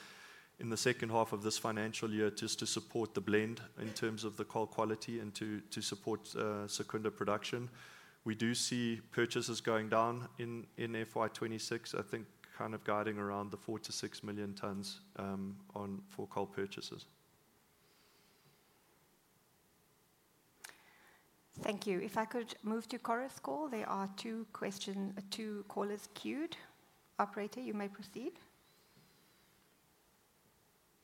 in the second half of this financial year just to support the blend in terms of the coal quality and to support Secunda production. We do see purchases going down in FY2026, I think kind of guiding around the 4 million t-6 million t for coal purchases. Thank you. If I could move to Cora's Call. There are two callers queued. Operator, you may proceed.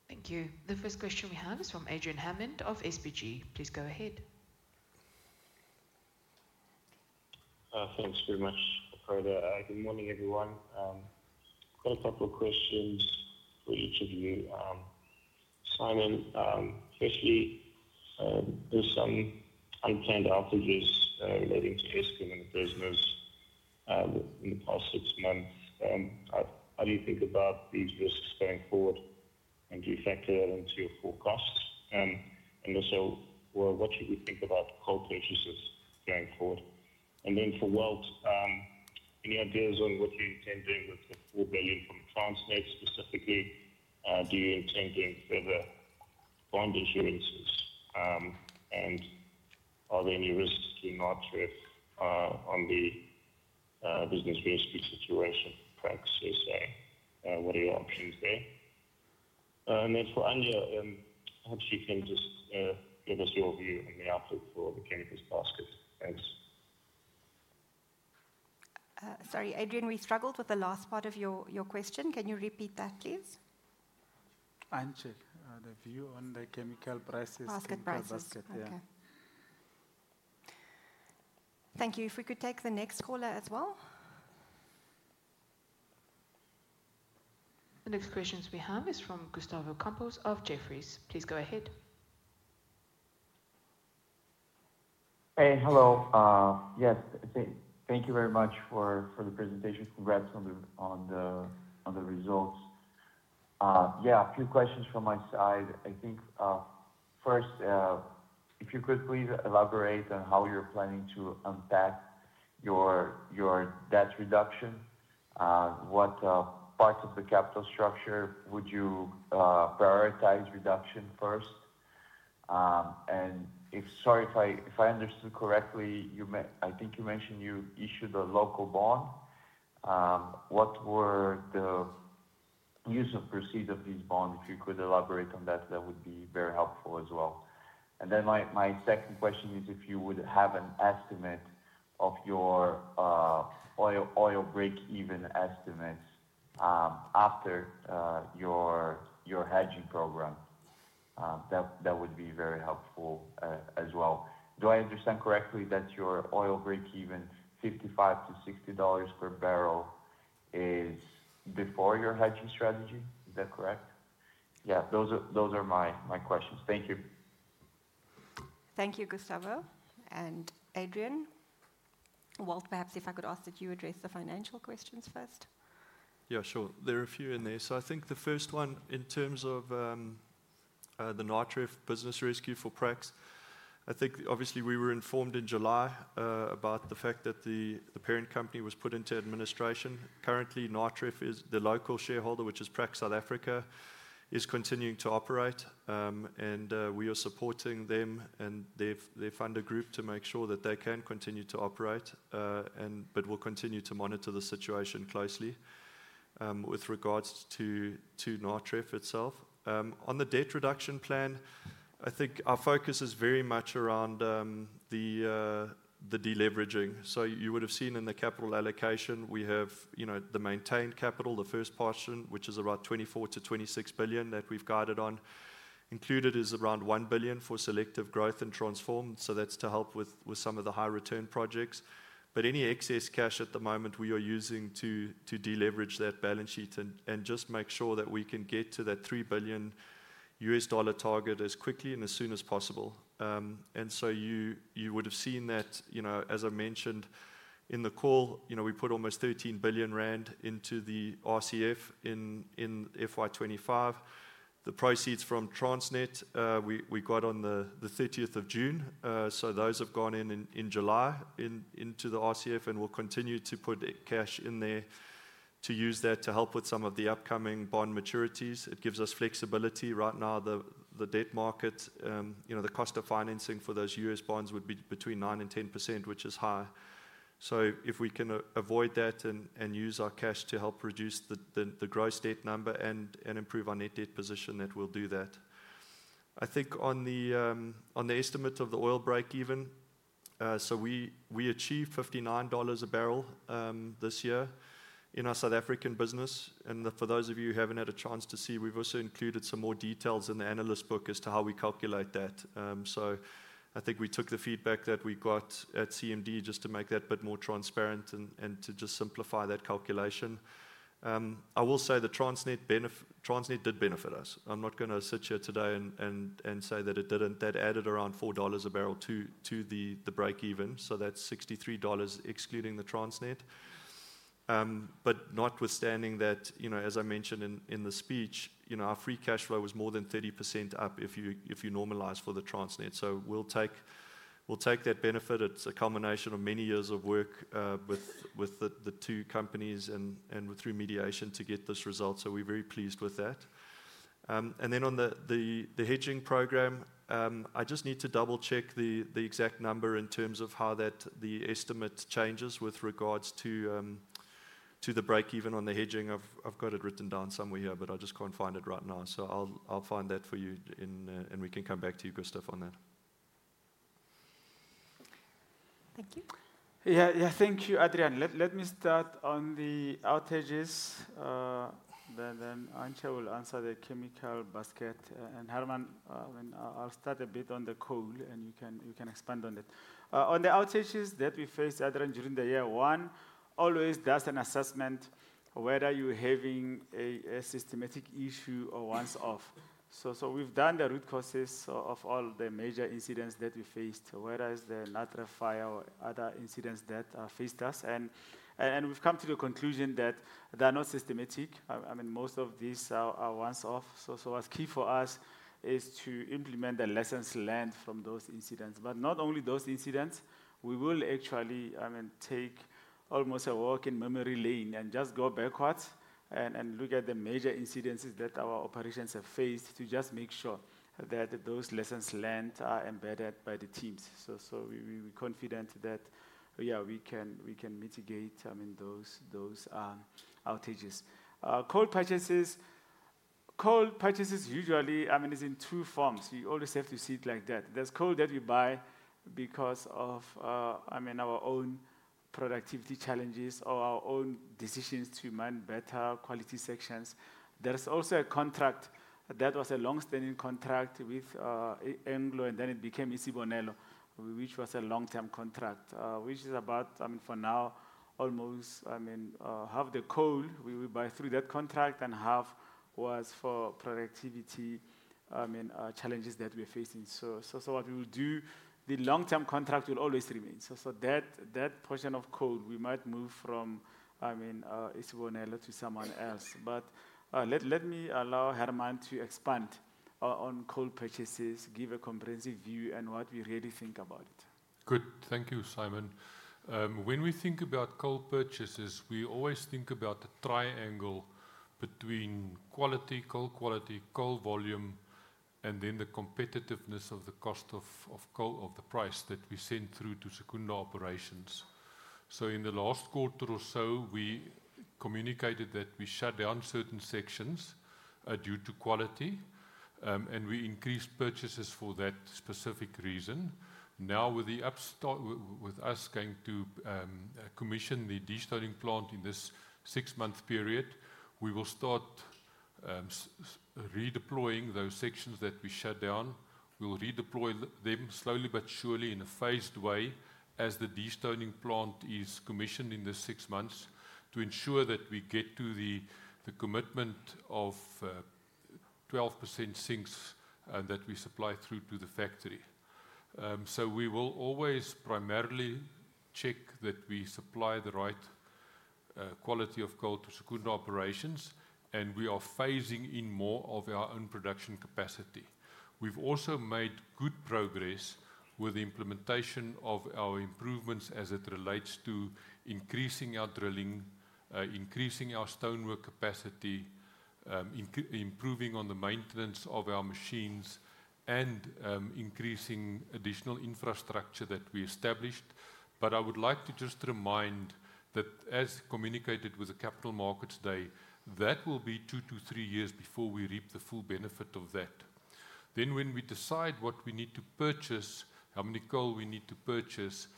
Thank you. The first question we have is from Adrian Spencer Hammond of SBG Securities. Please go ahead. Thanks very much, Greta. Good morning everyone. Got a couple of questions for each of you. Simon, especially there's some unplanned outages relating to Sasol's limitation of in the past six months. How do you think about these risks going forward, and do you factor that into your forecasts in the show? What should we think about coal purchases going forward? For Walt, any ideas on what you intend doing with the $4 billion from Transnet? Specifically, do you intend doing further bond issuances? Are there any risks in Archer on the business VSP situation? Prax, yes. What are your options there? For Antje, perhaps you can just give us your view on the outlook for the chemicals basket. Sorry, Adrian, we struggled with the last part of your question. Can you repeat that, please? Antje, the view on the chemical prices. Thank you. If we could take the next caller as well. The next questions we have are from Gustavo Campos of Jefferies. Please go ahead. Hey. Hello. Yes, thank you very much for the presentation. Congrats on the results. Yeah, a few questions from my side. I think first, if you could please elaborate on how you're planning to unpack your debt reduction. What parts of the capital structure would you prioritize? Reduction first. Sorry, if I understood correctly, I think you mentioned you issued a local bond. What were those use of proceeds of these bonds? If you could elaborate on that, that would be very helpful as well. My second question is if you would have an estimate of your oil breakeven estimates after your hedging program, that would be very helpful as well. Do I understand correctly that your oil breakeven $55-$60 per barrel is before your hedging strategy, is that correct? Yeah, those are my questions. Thank you. Thank you, Gustavo and Adrian. Walt, perhaps if I could ask that you address the financial questions first. Yeah, sure. There are a few in there. I think the first one, in terms of the Natref business rescue for Prax, obviously we were informed in July about the fact that the parent company was put into administration. Currently, Natref is the local shareholder, which is Prax. South Africa is continuing to operate and we are supporting them and their funder group to make sure that they can continue to operate. We will continue to monitor the situation closely. With regards to Natref itself on the debt reduction plan, our focus is very much around the deleveraging. You would have seen in the capital allocation, we have the maintained capital. The first portion, which is about R24 billion-R26 billion that we've guided on, included is around R1 billion for selective growth and transform. That's to help with some of the high return projects. Any excess cash at the moment we are using to deleverage that balance sheet and just make sure that we can get to that $3 billion target as quickly and as soon as possible. You would have seen that as I mentioned in the call, we put almost R13 billion into the RCF in FY 2025. The proceeds from Transnet we got on the 30th of June, so those have gone in in July into the RCF and we'll continue to put cash in there to use that to help with some of the upcoming bond maturities. It gives us flexibility. Right now the debt market, the cost of financing for those U.S. bonds would be between 9% and 10% which is high. If we can avoid that and use our cash to help reduce the gross debt number and improve our net debt position, we'll do that. I think on the estimate of the oil breakeven, we achieved $59 a barrel this year in our South African business. For those of you who haven't had a chance to see, we've also included some more details in the analyst book as to how we calculate that. We took the feedback that we got at CMD just to make that bit more transparent and to simplify that calculation. I will say the Transnet benefit. Transnet did benefit us. I'm not going to sit here today and say that it didn't. That added around $4 a barrel to the breakeven. That's $63 excluding the Transnet. Notwithstanding that, as I mentioned in the speech, our free cash flow was more than 30% up if you normalize for the Transnet. We'll take that benefit. It's a culmination of many years of work with the two companies and with remediation to get this result. We're very pleased with that. On the hedging program, I just need to double check the exact number in terms of how the estimate changes with regards to the breakeven on the hedging. I've got it written down somewhere here, but I just can't find it right now. I'll find that for you and we can come back to you, Gustav, on that. Thank you. Yeah, yeah, thank you Adrian. Let me start on the outages, then Antje will answer the chemical basket, and Hermann, I'll start a bit on the coal and you can expand on it on the outages that we face, Adrian, during the year. One always does an assessment whether you're having a systematic issue or once off. We've done the root causes of all the major incidents that we faced, whether it's the natural fire or other incidents that faced us, and we've come to the conclusion that they're not systematic. Most of these are once off. What's key for us is to implement the lessons learned from those incidents, but not only those incidents. We will actually take almost a walk in memory lane and just go backwards and look at the major incidences that our operations have faced to just make sure that those lessons learned are embedded by the teams. We're confident that, yeah, we can mitigate those outages. Coal purchases. Coal purchases usually, I mean, it's in two forms. You always have to see it like that. There's coal that we buy because of our own productivity challenges or our own decisions to man better quality sections. There's also a contract that was a long-standing contract with Anglo, and then it became Isibonelo, which was a long-term contract, which is about, I mean, for now almost, I mean, half the coal we will buy through that contract and half was for productivity challenges that we're facing. What we will do, the long-term contract will always remain. That portion of coal we might move from, I mean, Isibonelo to someone else. Let me allow Hermann to expand on coal purchases, give a comprehensive view and what we really think about it. Good. Thank you, Simon. When we think about coal purchases, we always think about the triangle between quality, coal quality, coal volume, and then the competitiveness of the cost of coal or the price that we send through to Secunda operations. In the last quarter or so, we communicated that we shut down certain sections due to quality, and we increased purchases for that specific reason. Now, with the upstart, with us going to commission the destoning plant in this six-month period, we will start redeploying those sections that we shut down. We will redeploy them slowly but surely in a phased way as the destoning plant is commissioned in the six months to ensure that we get to the commitment of 12% sinks that we supply through to the factory. We will always primarily check that we supply the right quality of coal to Secunda operations, and we are phasing in more of our own production capacity. We've also made good progress with the implementation of our improvements as it relates to increasing our drilling, increasing our stonework capacity, improving on the maintenance of our machines, and increasing additional infrastructure that we established. I would like to just remind that, as communicated with the Capital Markets Day, it will be two to three years before we reap the full benefit of that. When we decide what we need to purchase, how much coal we need to purchase,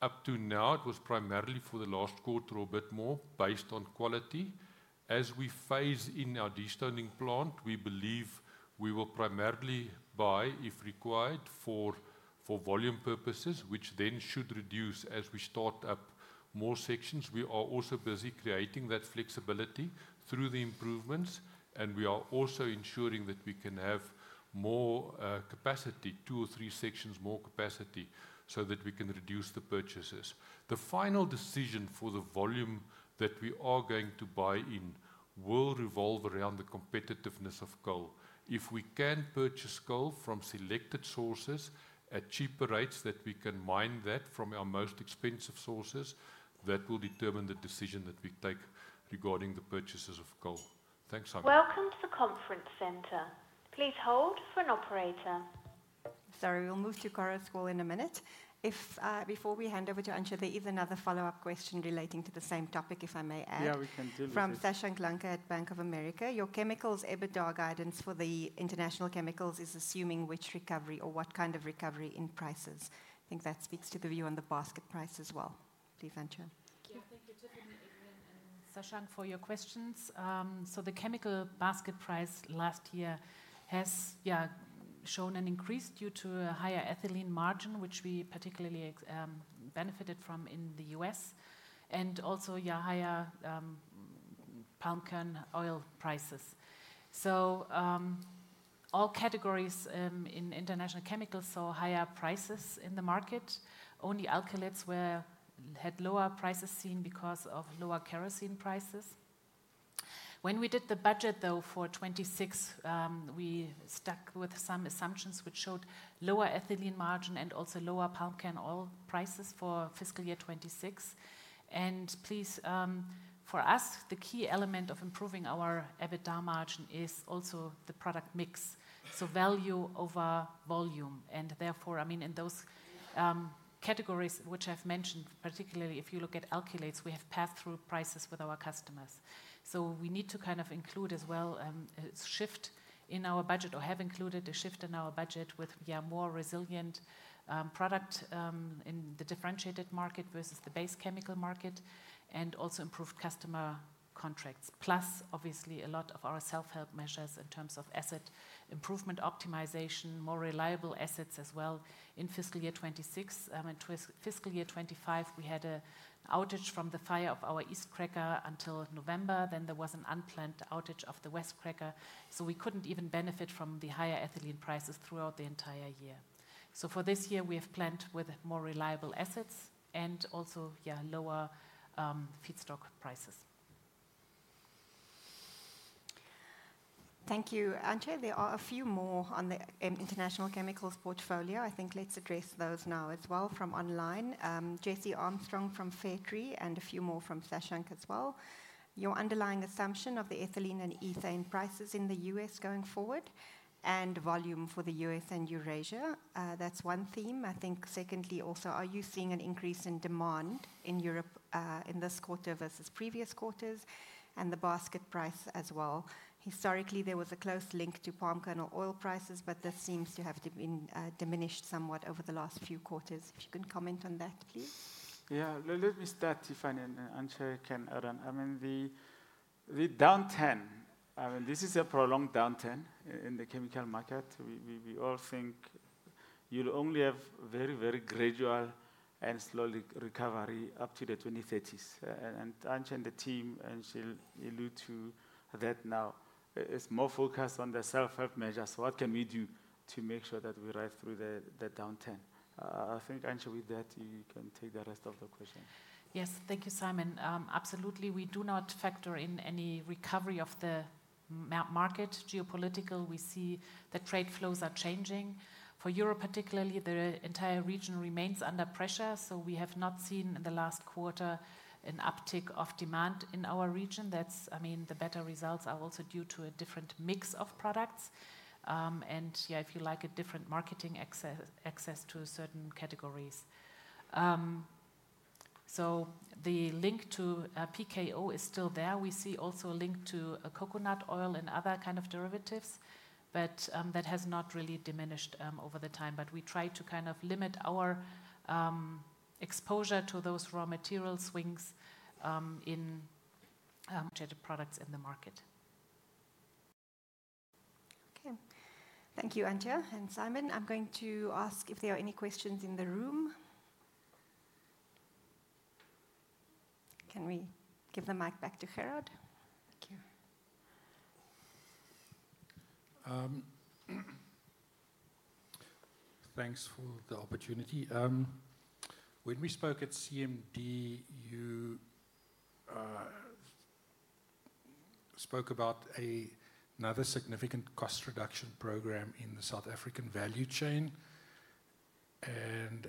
up to now it was primarily for the last quarter or a bit more based on quality. As we phase in our destoning plant, we believe we will primarily buy, if required, for volume purposes, which then should reduce as we start up more sections. We are also busy creating that flexibility through the improvements, and we are also ensuring that we can have more capacity, two or three sections more capacity, so that we can reduce the purchases. The final decision for the volume that we are going to buy in will revolve around the competitiveness of coal. If we can purchase coal from selected sources at cheaper rates than we can mine that from our most expensive sources, that will determine the decision that we take regarding the purchases of coal. Thanks, welcome to the conference center. Please hold for an operator. Sorry, we'll move to Cora's Call in a minute. Before we hand over to Anshu, there is another follow-up question relating to the same topic. If I may add from Sashank Lanka at Bank of America, your chemicals EBITDA guidance for the international chemicals is assuming which recovery or what kind of recovery in prices. I think that speaks to the view on the basket price as well. Please anchor thank you Sashank for your questions. The chemical basket price last year has shown an increase due to a higher ethylene margin which we particularly benefited from in the U.S. and also higher palm kernel oil prices. All categories in international chemicals saw higher prices in the market. Only alkylates had lower prices seen because of lower kerosene prices. When we did the budget for 2026 we stuck with some assumptions which showed lower ethylene margin and also lower palm kernel oil prices for fiscal year 2026. For us the key element of improving our EBITDA margin is also the product mix, so value over volume. In those categories which I've mentioned, particularly if you look at alkylates, we have pass-through prices with our customers. We need to include as well a shift in our budget or have included a shift in our budget with more resilient product in the differentiated market versus the base chemical market and also improved customer contracts, plus obviously a lot of our self-help measures in terms of asset improvement, optimization, and more reliable assets as well. In fiscal year 2025, we had an outage from the fire of our east cracker until November. There was an unplanned outage of the west cracker, so we couldn't even benefit from the higher ethylene prices throughout the entire year. For this year, we have planned with more reliable assets and also lower feedstock prices. Thank you, Antje. There are a few more on the international chemicals portfolio. I think let's address those now as well. From online, Jessie Armstrong from Faircree and a few more from Slashank as well. Your underlying assumption of the ethylene and ethane prices in the U.S. going forward and volume for the U.S. and Eurasia, that's one theme I think. Secondly, also, are you seeing an increase in demand in Europe in this quarter versus previous quarters and the basket price as well? Historically, there was a close link to palm kernel oil prices, but this seems to have been diminished somewhat over the last few quarters. If you can comment on that, if you. Yeah, let me start. Tiffany and Antje can add on. I mean the downturn, I mean this is a prolonged downturn in the chemical market. We all think you'll only have very, very gradual and slow recovery up to the 2030s. Antje and the team, and she'll allude to that. Now it's more focused on the self help measures. What can we do to make sure that we drive through that downturn? I think, Antje, with that you can take the rest of the question. Thank you, Simon. Absolutely. We do not factor in any recovery of the market geopolitical. We see the trade flows are changing for Europe, particularly the entire region remains under pressure. We have not seen in the last quarter an uptick of demand in our region. The better results are also due to a different mix of products and, if you like, a different marketing access to certain categories. The link to PKO is still there. We see also a link to coconut oil and other kind of derivatives, but that has not really diminished over the time. We try to kind of limit our exposure to those raw material swings in products in the market. Okay, thank you Antje and Simon. I'm going to ask if there are any questions in the room. Can we give the mic back to Farad? Thank you. Thanks for the opportunity. When we spoke at CMD, you. Spoke. About another significant cost reduction program in the South African value chain.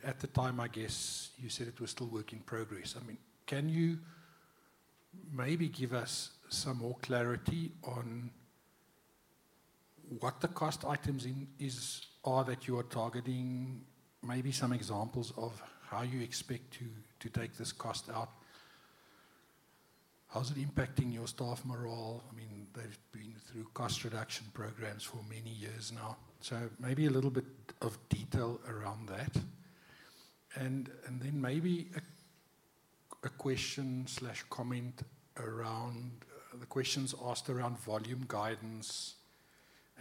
At the time, I guess you said it was still work in progress. Can you maybe give us some more clarity on what the cost items are that you are targeting? Maybe some examples of how you expect to take this cost out. How's it impacting your staff morale? They've been through cost reduction programs for many years now. Maybe a little bit of detail around that, and then a question comment around the questions asked around volume guidance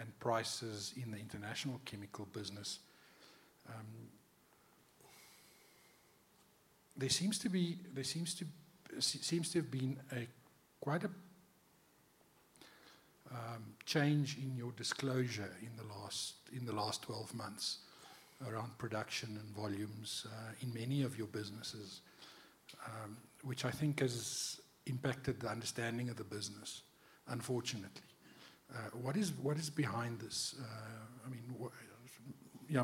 and prices in the international chemical business. There seems to have been quite a change in your disclosure in the last 12 months around production and volumes in many of your businesses, which I think has impacted the understanding of the business, unfortunately. What is behind this?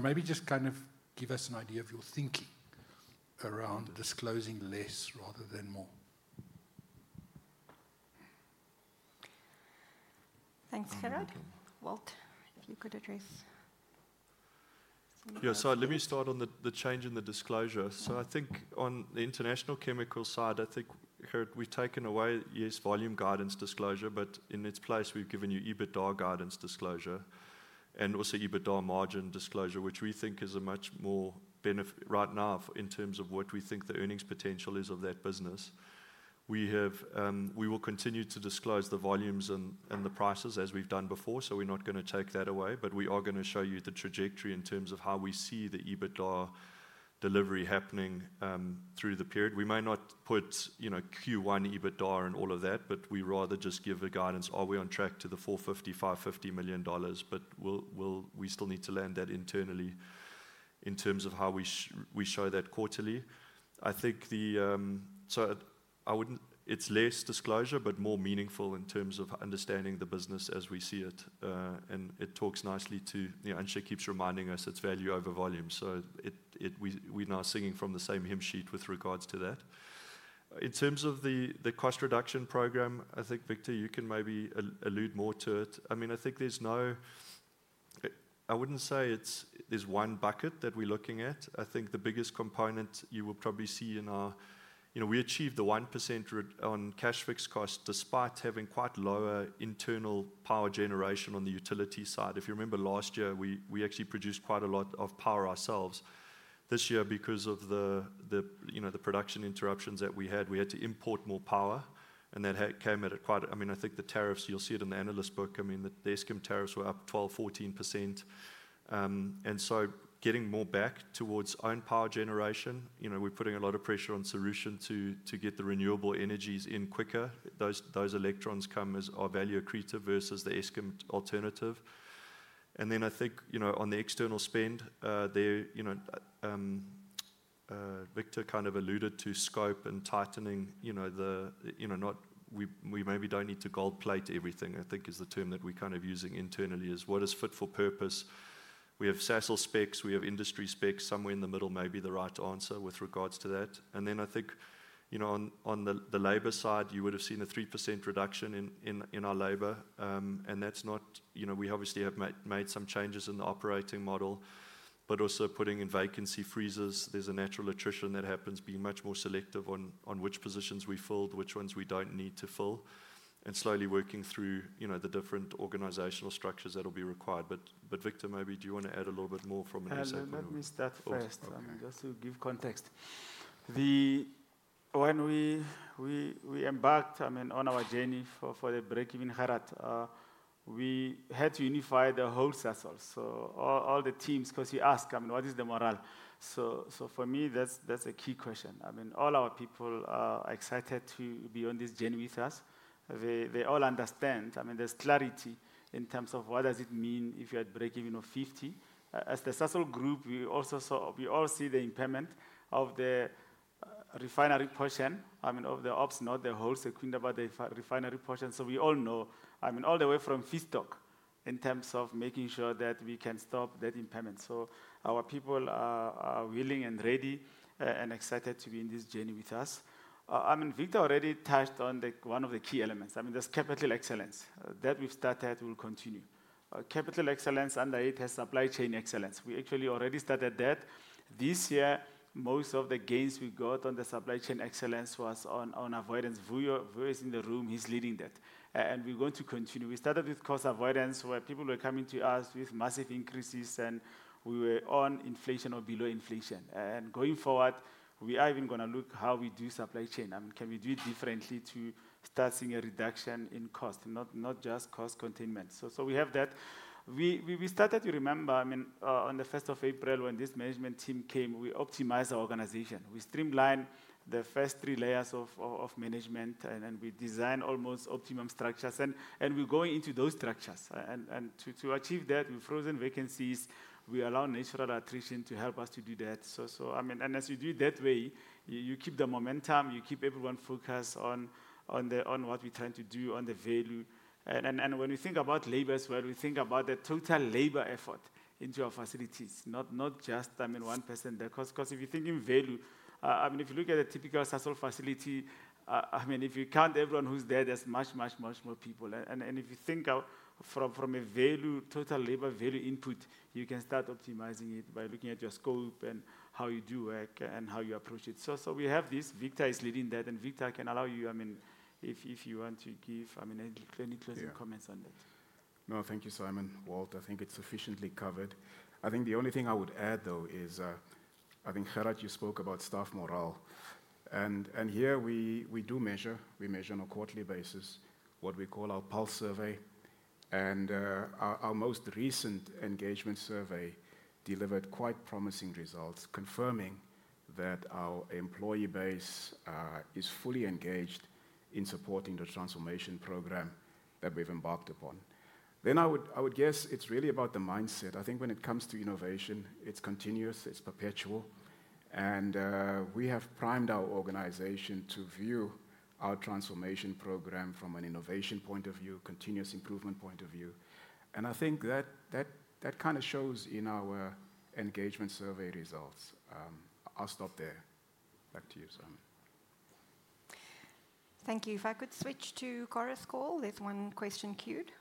Maybe just kind of give us an idea of your thinking around disclosing less rather than more. Thanks, Walt. If you could address. Yeah, let me start on the change in the disclosure. I think on the international chemical side, we've taken away volume guidance disclosure, but in its place we've given you EBITDA guidance disclosure and also EBITDA margin disclosure, which we think is a much more benefit right now in terms of what we think the earnings potential is of that business. We will continue to disclose the volumes and the prices as we've done before. We're not going to take that away, but we are going to show you the trajectory in terms of how we see the EBITDA delivery happening through the period. We may not put Q1 EBITDA and all of that, but we rather just give the guidance. Are we on track to the $455, $50 million. We still need to land that internally in terms of how we show that quarterly. It's less disclosure but more meaningful in terms of understanding the business as we see it. It talks nicely to anchor. Keeps reminding us it's value over volume. We're now singing from the same hymn sheet with regards to that. In terms of the cost reduction program, I think Victor, you can maybe allude more to it. I think there's no, I wouldn't say there's one bucket that we're looking at. I think the biggest component you will probably see in our, we achieved the 1% on cash fixed costs despite having quite lower internal power generation on the utility side. If you remember last year we actually produced quite a lot of power ourselves. This year, because of the production interruptions that we had, we had to import more power and that came at a quite, I think the tariffs, you'll see it in the analyst book. The Eskom tariffs were up 12%, 14%, and so getting more back towards own power generation, we're putting a lot of pressure on solution to get the renewable energies in quicker. Those electrons are value-accretive versus the Eskom alternative. On the external spend, Victor kind of alluded to scope and tightening. We maybe don't need to gold plate everything, I think is the term that we're using internally, is what is fit for purpose. We have Sasol specs, we have industry specs. Somewhere in the middle may be the right answer with regards to that. On the labor side, you would have seen a 3% reduction in our labor. That's not, you know, we obviously have made some changes in the operating model, but also putting in vacancy freezers. There's a natural attrition that happens. Being much more selective on which positions we filled, which ones we don't need to fill, and slowly working through the different organizational structures that will be required. Victor, maybe do you want to add a little bit more from. Let me start first just to give context. When we embarked on our journey for the breakeven target, we had to unify the whole Sasol, so all the teams, because you ask what is the morale? For me that's a key question. All our people are excited to be on this journey with us. They all understand. There's clarity in terms of what does it mean if you had breakeven $50 as the Sasol group. We all see the impairment of the refinery portion, I mean of the ops, not the whole Secunda refinery portion. We all know, all the way from feedstock in terms of making sure that we can stop that impairment. Our people are willing and ready and excited to be in this journey with us. Victor already touched on one of the key elements. There's capital excellence that we've started, will continue capital excellence, under it has supply chain excellence. We actually already started that this year. Most of the gains we got on the supply chain excellence was on avoidance. Vuyo is in the room, he's leading that and we're going to continue. We started with cost avoidance where people were coming to us with massive increases and we were on inflation or below inflation. Going forward we are even going to look how we do supply chain. Can we do it differently to start seeing a reduction in cost, not just cost containment. We have that, we start that. You remember, on the 1st of April when this management team came, we optimized our organization, we streamlined the first three layers of management and then we designed almost optimum structures and we're going into those structures and to achieve that with frozen vacancies, we allow natural attrition to help us to do that. As you do that way you keep the momentum, you keep everyone focused on what we tend to do on the value. When we think about labor as well, we think about the total labor effort into our facilities, not just one person. If you think in value, if you look at a typical Sasol facility, if you count everyone who's there, there's much, much, much more people. If you think from a value, total labor value input, you can start optimizing it by looking at your scope and how you do work and how you approach it. We have this. Victor is leading that. Victor can allow you, if you want to give any closing comments on this. No. Thank you, Simon. I think it's sufficiently covered. I think the only thing I would add though is I think, Gerhard, you spoke about staff morale. Here we do measure. We measure on a quarterly basis what we call our Pulse survey. Our most recent engagement survey delivered quite promising results, confirming that our employee base is fully engaged, engaged in supporting the transformation program that we've embarked upon. I would guess it's really about the mindset. I think when it comes to innovation, it's continuous, it's perpetual. We have primed our organization to view our transformation program from an innovation point of view, continuous improvement point of view. I think that kind of shows in our engagement survey results. I'll stop there. Back to you, Simon. Thank you. If I could switch to Cora's call, there's one question queued.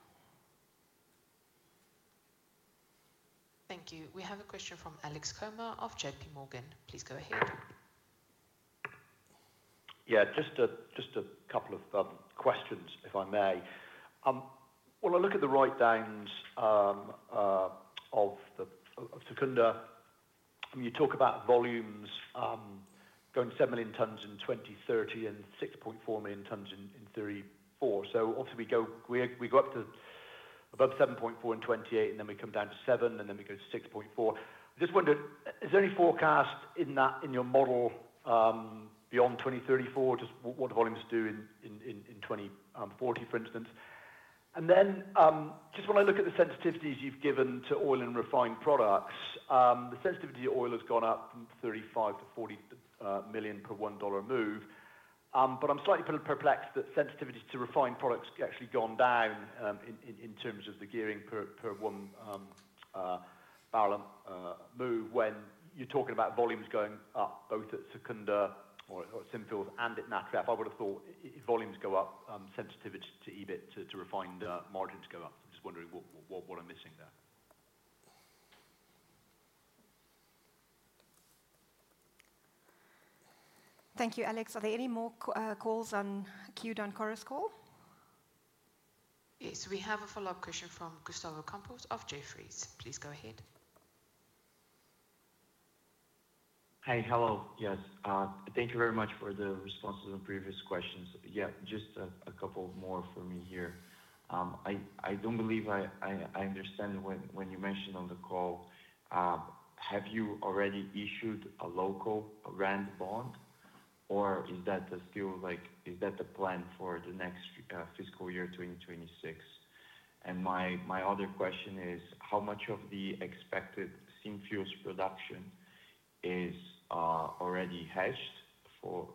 Thank you. We have a question from Alex Comer of JPMorgan. Please go ahead. Just a couple of questions if I may. I look at the write-downs of Secunda. You talk about volumes going 7 million t in 2030 and 6.4 million tons in 2034. Obviously, we go up to above 7.4 million tons in 2028 and then we come down to 7 million t and then we go 6.4 million tons. I just wondered, is there any forecast in that in your model beyond 2034? Just what the volumes do in 2040, for instance. When I look at the sensitivities you've given to oil and refined products, the sensitivity to oil has gone up from $35 million to $40 million per $1 move. I'm slightly perplexed that sensitivity to refined products has actually gone down in terms of the gearing per 1 barrel move. When you're talking about volumes going up both at Secunda or Synfuels and at Natref, I would have thought volumes going up, sensitivity to EBIT, to refined margins, go up. I'm just wondering what I'm missing there. Thank you. Alex, are there any more calls queued on Cora's Call? Yes, we have a follow up question from Gustavo Campos of Jefferies. Please go ahead. Hi. Hello. Yes, thank you very much for the responses on previous questions. Just a couple more for me here. I don't believe I understand. When you mentioned on the call, have you already issued a local Rand bond, or is that still, like, is that the plan for the next fiscal year 2026? My other question is how much of the expected synfuels production is already hedged for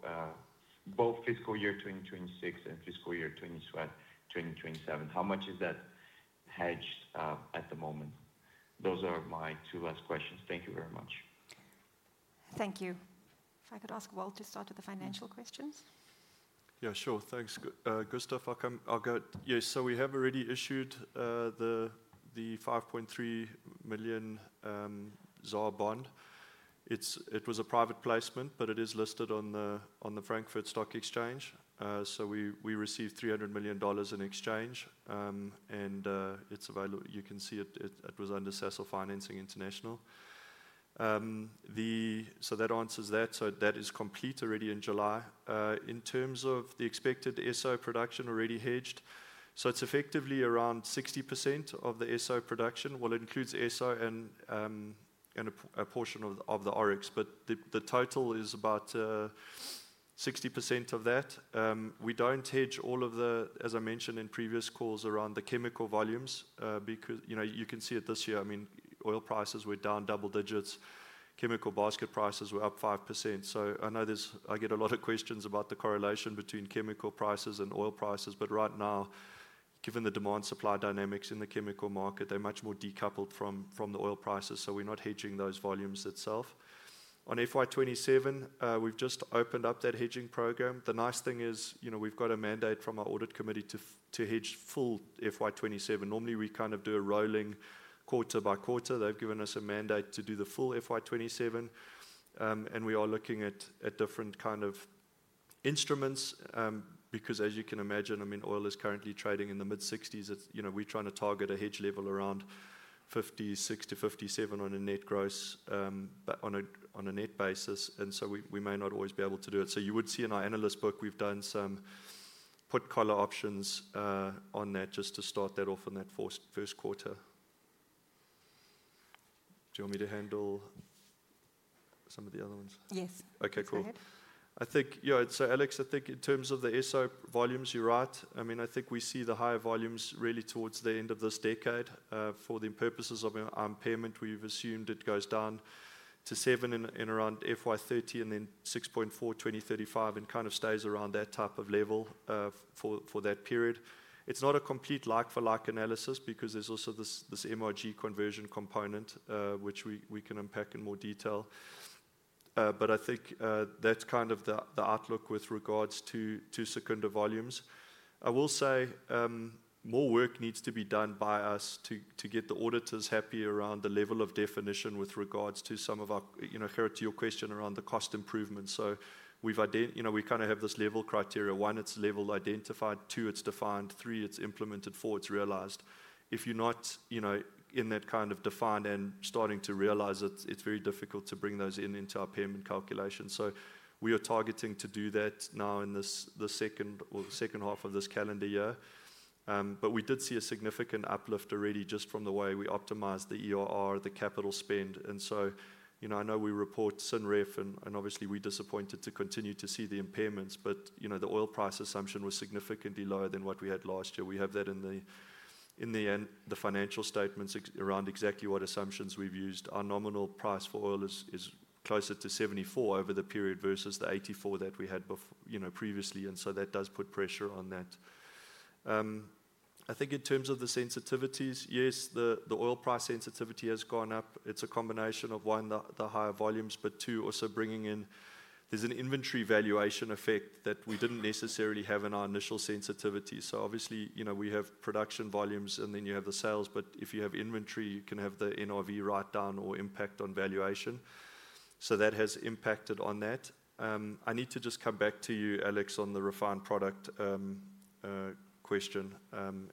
both fiscal year 2026 and fiscal year 2027? How much is that hedged at the moment? Those are my two last questions. Thank you very much. Thank you. If I could ask Walt to start with the financial questions. Yeah, sure. Thanks, Gustavo. Yes, we have already issued the R5.3 million bond. It was a private placement, but it is listed on the Frankfurt Stock Exchange. We received $300 million in exchange and it's available. You can see it was under Sasol Financing International. That answers that. That is complete already in July in terms of the expected Esso production already hedged. It's effectively around 60% of the Esso production. It includes Esso and a portion of the Oryx, but the total is about 60% of that. We don't hedge all of the, as I mentioned in previous calls, around the chemical volumes because you can see it this year, oil prices were down double digits. Chemical basket prices were up 5%. I know I get a lot of questions about the correlation between chemical prices and oil prices. Right now, given the demand supply dynamics in the chemical market, they're much more decoupled from the oil prices. We're not hedging those volumes itself on FY 2027. We've just opened up that hedging program. The nice thing is we've got a mandate from our Audit Committee to hedge full FY 2027. Normally we kind of do a rolling quarter by quarter. They've given us a mandate to do the full FY 2027. We are looking at different kind of instruments because as you can imagine, oil is currently trading in the mid-60s. We're trying to target a hedge level around $56 to $57 on a net basis. We may not always be able to do it. You would see in our analyst book we've done some put collar options on that just to start that off in that first quarter. Do you want me to handle some of the other ones? Yes. Okay, cool. I think so, Alex, I think in terms of the Esso volumes, you're right. I mean I think we see the higher volumes really towards the end of this decade for the purposes of our impairment assumed it goes down to 7 million t in around FY 2030 and then 6.4 million t, 2035 and kind of stays around that type of level for that period. It's not a complete like for like analysis because there's also this, this MRG conversion component which we can unpack in more detail. I think that's kind of the outlook with regards to Secunda volumes. I will say more work needs to be done by us to get the auditors happy around the level of definition with regards to some of our, you know Gerard, to your question around the cost improvement. So we've ident, you know, we kind of have this level criteria. One, it's level identified, two it's defined, three it's implemented, four, it's realized. If you're not, you know, in that kind of defined and starting to realize it, it's very difficult to bring those in into our impairment calculation. We are targeting to do that now in this, the second or second half of this calendar year. We did see a significant uplift already just from the way we optimized the ERR, the capital spend. I know we report Synref and obviously we're disappointed to continue to see the impairments. The oil price assumption was significantly lower than what we had last year. We have that in the end the financial statements around exactly what assumptions we've used. Our nominal price for oil is closer to $74 over the period versus the $84 that we had previously. That does put pressure on that. I think in terms of the sensitivities, yes, the oil price sensitivity has gone up. It's a combination of one, the higher volumes but two also bringing in. There's an inventory valuation effect that we didn't necessarily have in our initial sensitivity. Obviously we have production volumes and then you have the sales but if you have inventory you can have the NRV write down or impact on valuation. That has impacted on that. I need to just come back to you, Alex, on the refined product question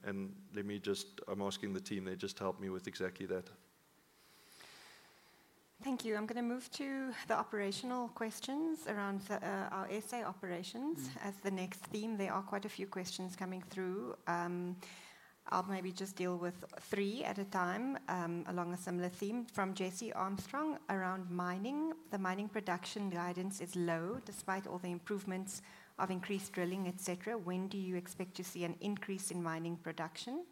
and let me just, I'm asking the team, they just helped me with exactly that. Thank you. I'm going to move to the operational questions around our Sasol operations as the next theme. There are quite a few questions coming through. I'll maybe just deal with three at a time along a similar theme from Jesse Armstrong around mining. The mining production guidance is low despite all the improvements of increased drilling etc. When do you expect to see an increase in mining production?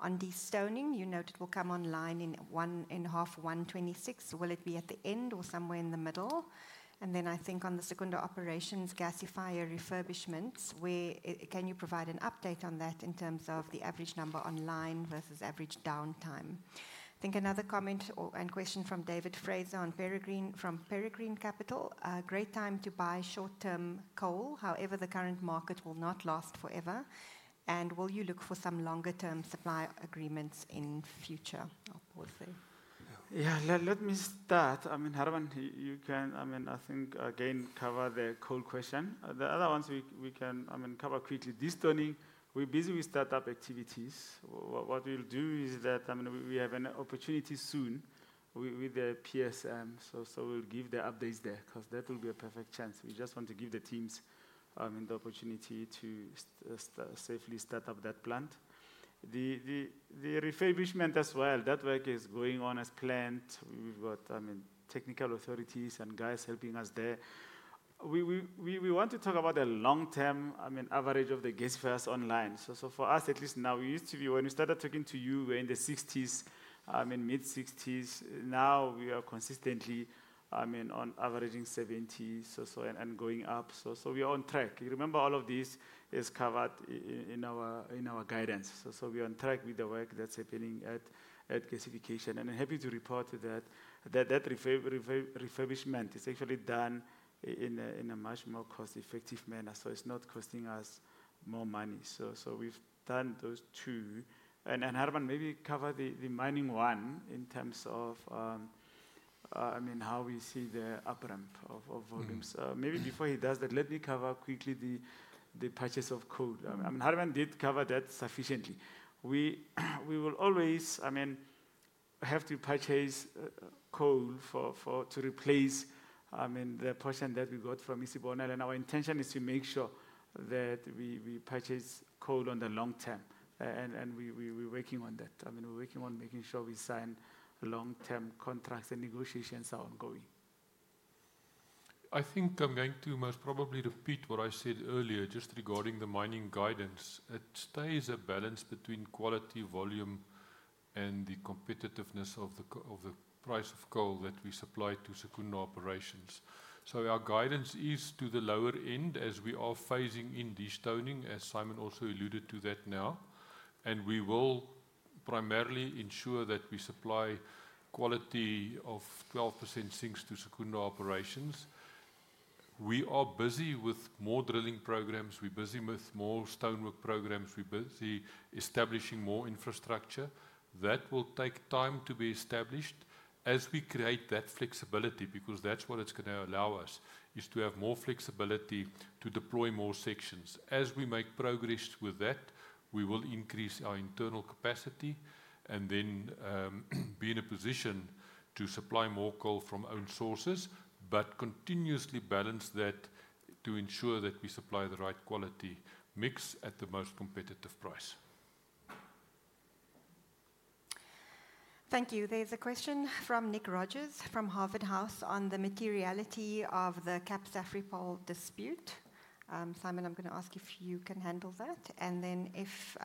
On destoning, you note it will come online in one and a half, 126. Will it be at the end or somewhere in the middle? I think on the Secunda operations gasifier refurbishments. Can you provide an update on that in terms of the average number online versus average downtime? I think another comment and question from David Fraser from Peregrine Capital. Great time to buy short term coal. However, the current market will not last forever and will you look for some longer term supply agreements in future policy? Yeah, let me start. Hermann, you can, I think again cover the coal question. The other ones we can cover quickly. This destoning, we're busy with startup activities. What we'll do is that we have an opportunity soon with the PSM, so we'll give the updates there because that will be a perfect chance. We just want to give the teams the opportunity to safely start up that plant, the refurbishment as well. That work is going on as planned. We've got technical authorities and guys helping us there. We want to talk about the long term, average of the gas first online. For us at least now, we used to be, when we started talking to you, we were in the 60s, mid 60s. Now we are consistently on averaging 70 and going up. We are on track. You remember all of this is covered in our guidance. We are on track with the work that's happening at gasification, and I'm happy to report that that refurbishment is actually done in a much more cost effective manner, so it's not costing us more money. We've done those two, and Herman, maybe cover the mining one in terms of how we see the up ramp of volumes. Maybe before he does that, let me cover quickly the patches of coal. Hermann did cover that sufficiently. We will always have to purchase coal to replace the portion that we got from Isibonelo, and our intention is to make sure that we purchase coal on the long term, and we are working on that. We're working on making sure we sign long term contracts, and negotiations are ongoing. I think I'm going to most probably repeat what I said earlier just regarding the mining guidance. It stays a balance between quality, volume, and the competitiveness of the price of coal that we supply to Secunda operations. Our guidance is to the lower end as we are phasing in destoning, as Simon also alluded to that now. We will primarily ensure that we supply quality of 12% sinks to Secunda operations. We are busy with more drilling programs, we're busy with more stonework programs, and we're busy establishing more infrastructure that will take time to be established as we create that flexibility, because that's what it's going to allow us is to have more flexibility to deploy more sections. As we make progress with that, we will increase our internal capacity and then be in a position to supply more coal from own sources, but continuously balance that to ensure that we supply the right quality mix at the most competitive price. U.S. thank you. There's a question from Nick Rogers from Harvard House on the materiality of the capsafre poll dispute. Simon, I'm going to ask if you can handle that, and then if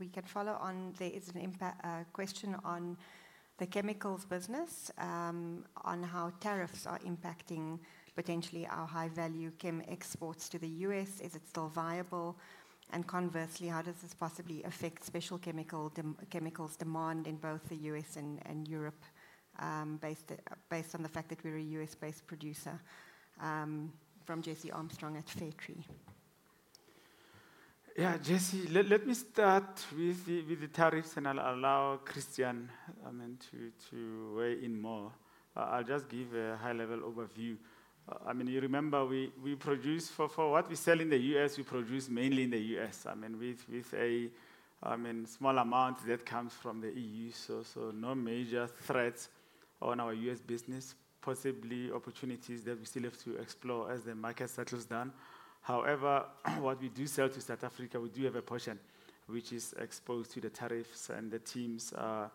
we could follow on. There is a question on the chemicals business on how tariffs are impacting potentially our high value chem exports to the U.S. Is it still viable? Conversely, how does this possibly affect special chemicals demand in both the U.S. and Europe based on the fact that we're a U.S. based producer? From Jesse Armstrong at Fairtree. Yeah, Jesse, let me start with the tariffs and I'll allow Christian to weigh in more. I'll just give a high-level overview. You remember we produce for what we sell in the U.S. We produce mainly in the U.S., a small amount that comes from the EU. No major threats on our U.S. business, possibly opportunities that we still have to explore as the market settles down. However, what we do sell to South Africa, we do have a portion which is exposed to the tariffs and the teams are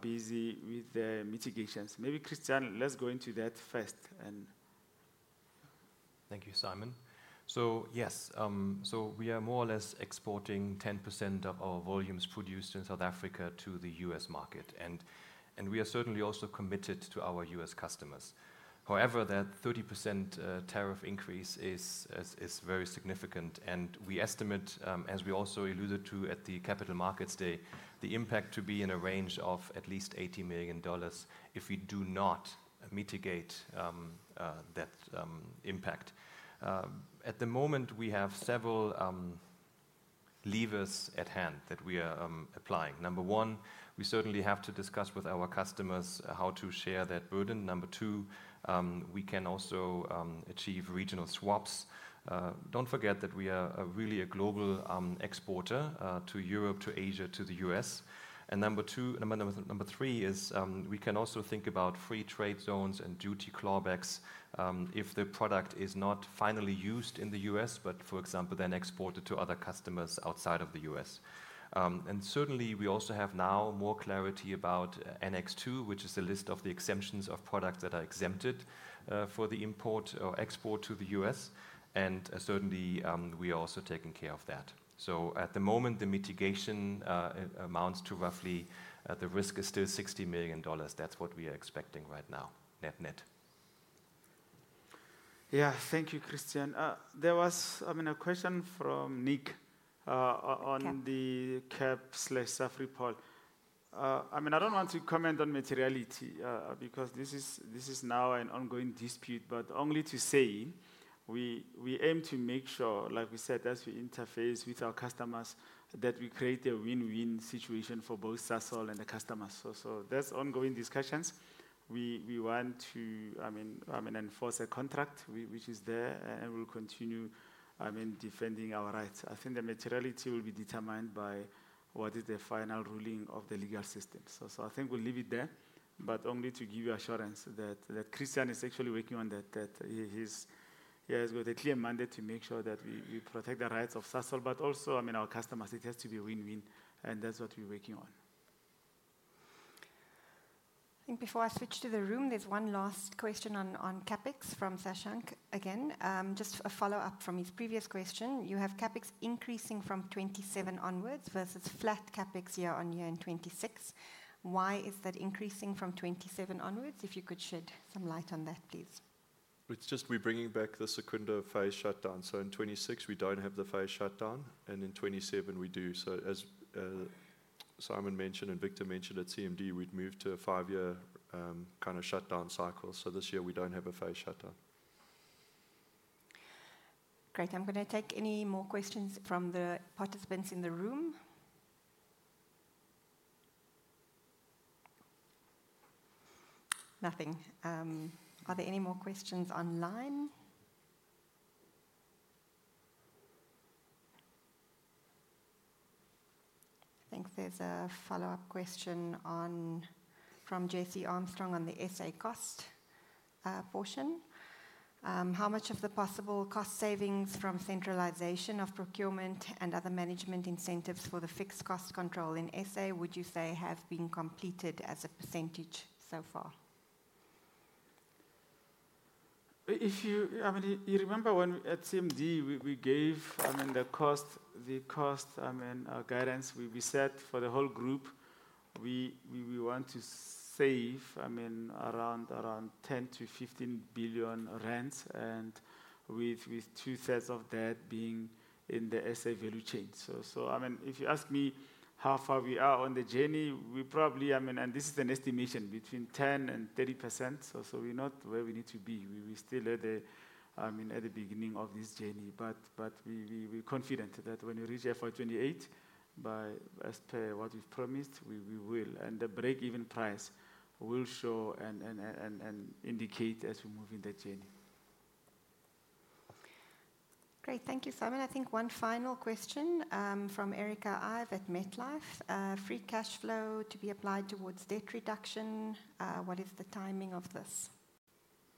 busy with the mitigations. Maybe, Christian, let's go into that first. Thank you, Simon. Yes, we are more or less exporting 10% of our volumes produced in South Africa to the U.S. market. We are certainly also committed to our U.S. customers. However, that 30% tariff increase is very significant, and we estimate, as we also alluded to at the Capital Markets Day, the impact to be in a range of at least $80 million. If we do not mitigate that impact, at the moment we have several levers at hand that we are applying. Number one, we certainly have to discuss with our customers how to share that burden. Number two, we can also achieve regional swaps. Don't forget that we are really a global exporter to Europe, to Asia, to the U.S., and number three is we can also think about free trade zones and duty clawbacks if the product is not finally used in the U.S. but, for example, then exported to other customers outside of the U.S. We also have now more clarity about Annex 2, which is a list of the exemptions of products that are exempted for the import or export to the U.S., and certainly we are also taking care of that. At the moment, the mitigation amounts to roughly the risk is still $60 million. That's what we are expecting right now, net net. Thank you, Christian. There was a question from Nick on the Cap Saffrey poll. I don't want to comment on materiality because this is now an ongoing dispute, but only to say we aim to make sure, like we said, as we interface with our customers, that we create a win-win situation for both Sasol and the customers. That's ongoing discussions. We want to enforce a contract which is there, and we'll continue defending. I think the materiality will be determined by what is the final ruling of the legal system. I think we'll leave it there, but only to give you assurance that Christian is actually working on that. He has got a clear mandate to make sure that we protect the rights of Sasol but also, I mean, our customers. It has to be a win-win, and that's what we're working on. I think before I switch to the room, there's one last question on CapEx from Sass Shank. Again, just a follow up from his previous question. You have CapEx increasing from 2027 onwards versus flat CapEx year-on-year in 2026. Why is that increasing from 2027 onwards? If you could shed some light on that please. It's just we're bringing back the Secunda phase shutdown. In 2026 we don't have the phase shutdown and in 2027 we do. As Simon mentioned and Victor mentioned, at CMD we'd moved to a five-year kind of shutdown cycle. This year we don't have a phase shutdown. Great. I'm going to take any more questions from the participants in the room. Nothing. Are there any more questions online? I think there's a follow-up question from Jesse Armstrong on the SA cost portion. How much of the possible cost savings from centralization of procurement and other management incentives for the fixed cost control in SA would you say have been completed as a percentage so far? If you. You remember when at CMD we gave the cost guidance. We said for the whole group, we want to save around R10 billion to R15 billion, with two sets of that being in the South Africa value chain. If you ask me how far we are on the journey, we probably, and this is an estimation, between 10% and 30%. We're not where we need to be. We still are at the beginning of this journey. We're confident that when you reach FY 2028 as per what we've promised, we will, and the breakeven price will show and indicate as we move in the journey. Great, thank you, Simon. I think one final question from Erika. I've at MetLife. Free cash flow to be applied towards debt reduction. What is the timing of this?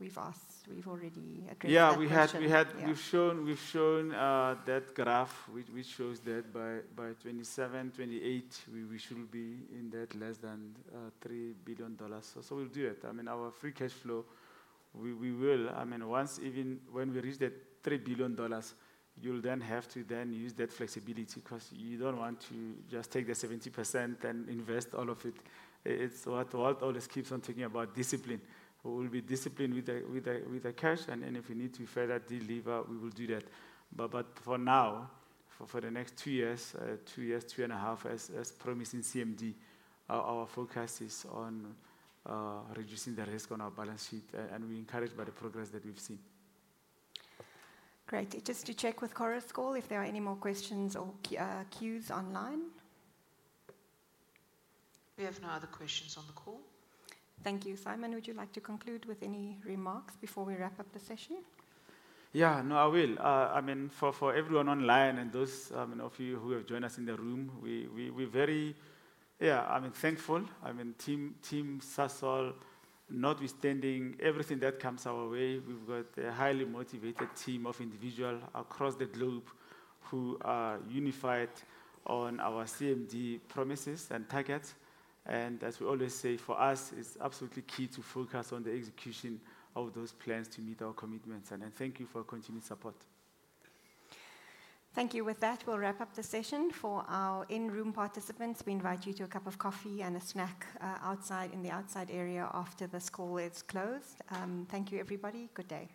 We've asked, we've already addressed that. Yeah, we've shown that graph which shows that by 2027 or 2028 we should be in debt less than $3 billion. We'll do it. I mean free cash flow. We will. I mean once, even when we reach that $3 billion, you'll then have to use that flexibility because you don't want to just take the 70% and invest all of it. It's what Walt always keeps on thinking about. Discipline. We'll be disciplined with the cash, and if we need to further deliver, we will do that. For now, for the next two years, two years, three and a half is promising. CMD, our forecast is on reducing the risk on our balance sheet, and we're encouraged by the progress that we've seen. Great. Just to check with Cora's Call if there are any more questions or queues online. We have no other questions on the call. Thank you. Simon, would you like to conclude with any remarks before we wrap up the session? I mean for everyone online and those of you who have joined us in the room, we're very thankful. I mean, Team Sasol, notwithstanding everything that comes our way, we've got a highly motivated team of individuals across the globe who are unified on our CMD promises and targets. As we always say, for us it's absolutely key to focus on the execution of those plans to meet our commitments. Thank you for continued support. Thank you. With that, we'll wrap up the session for our in-room participants. We invite you to a cup of coffee and a snack in the outside area after this call is closed. Thank you, everybody. Good day.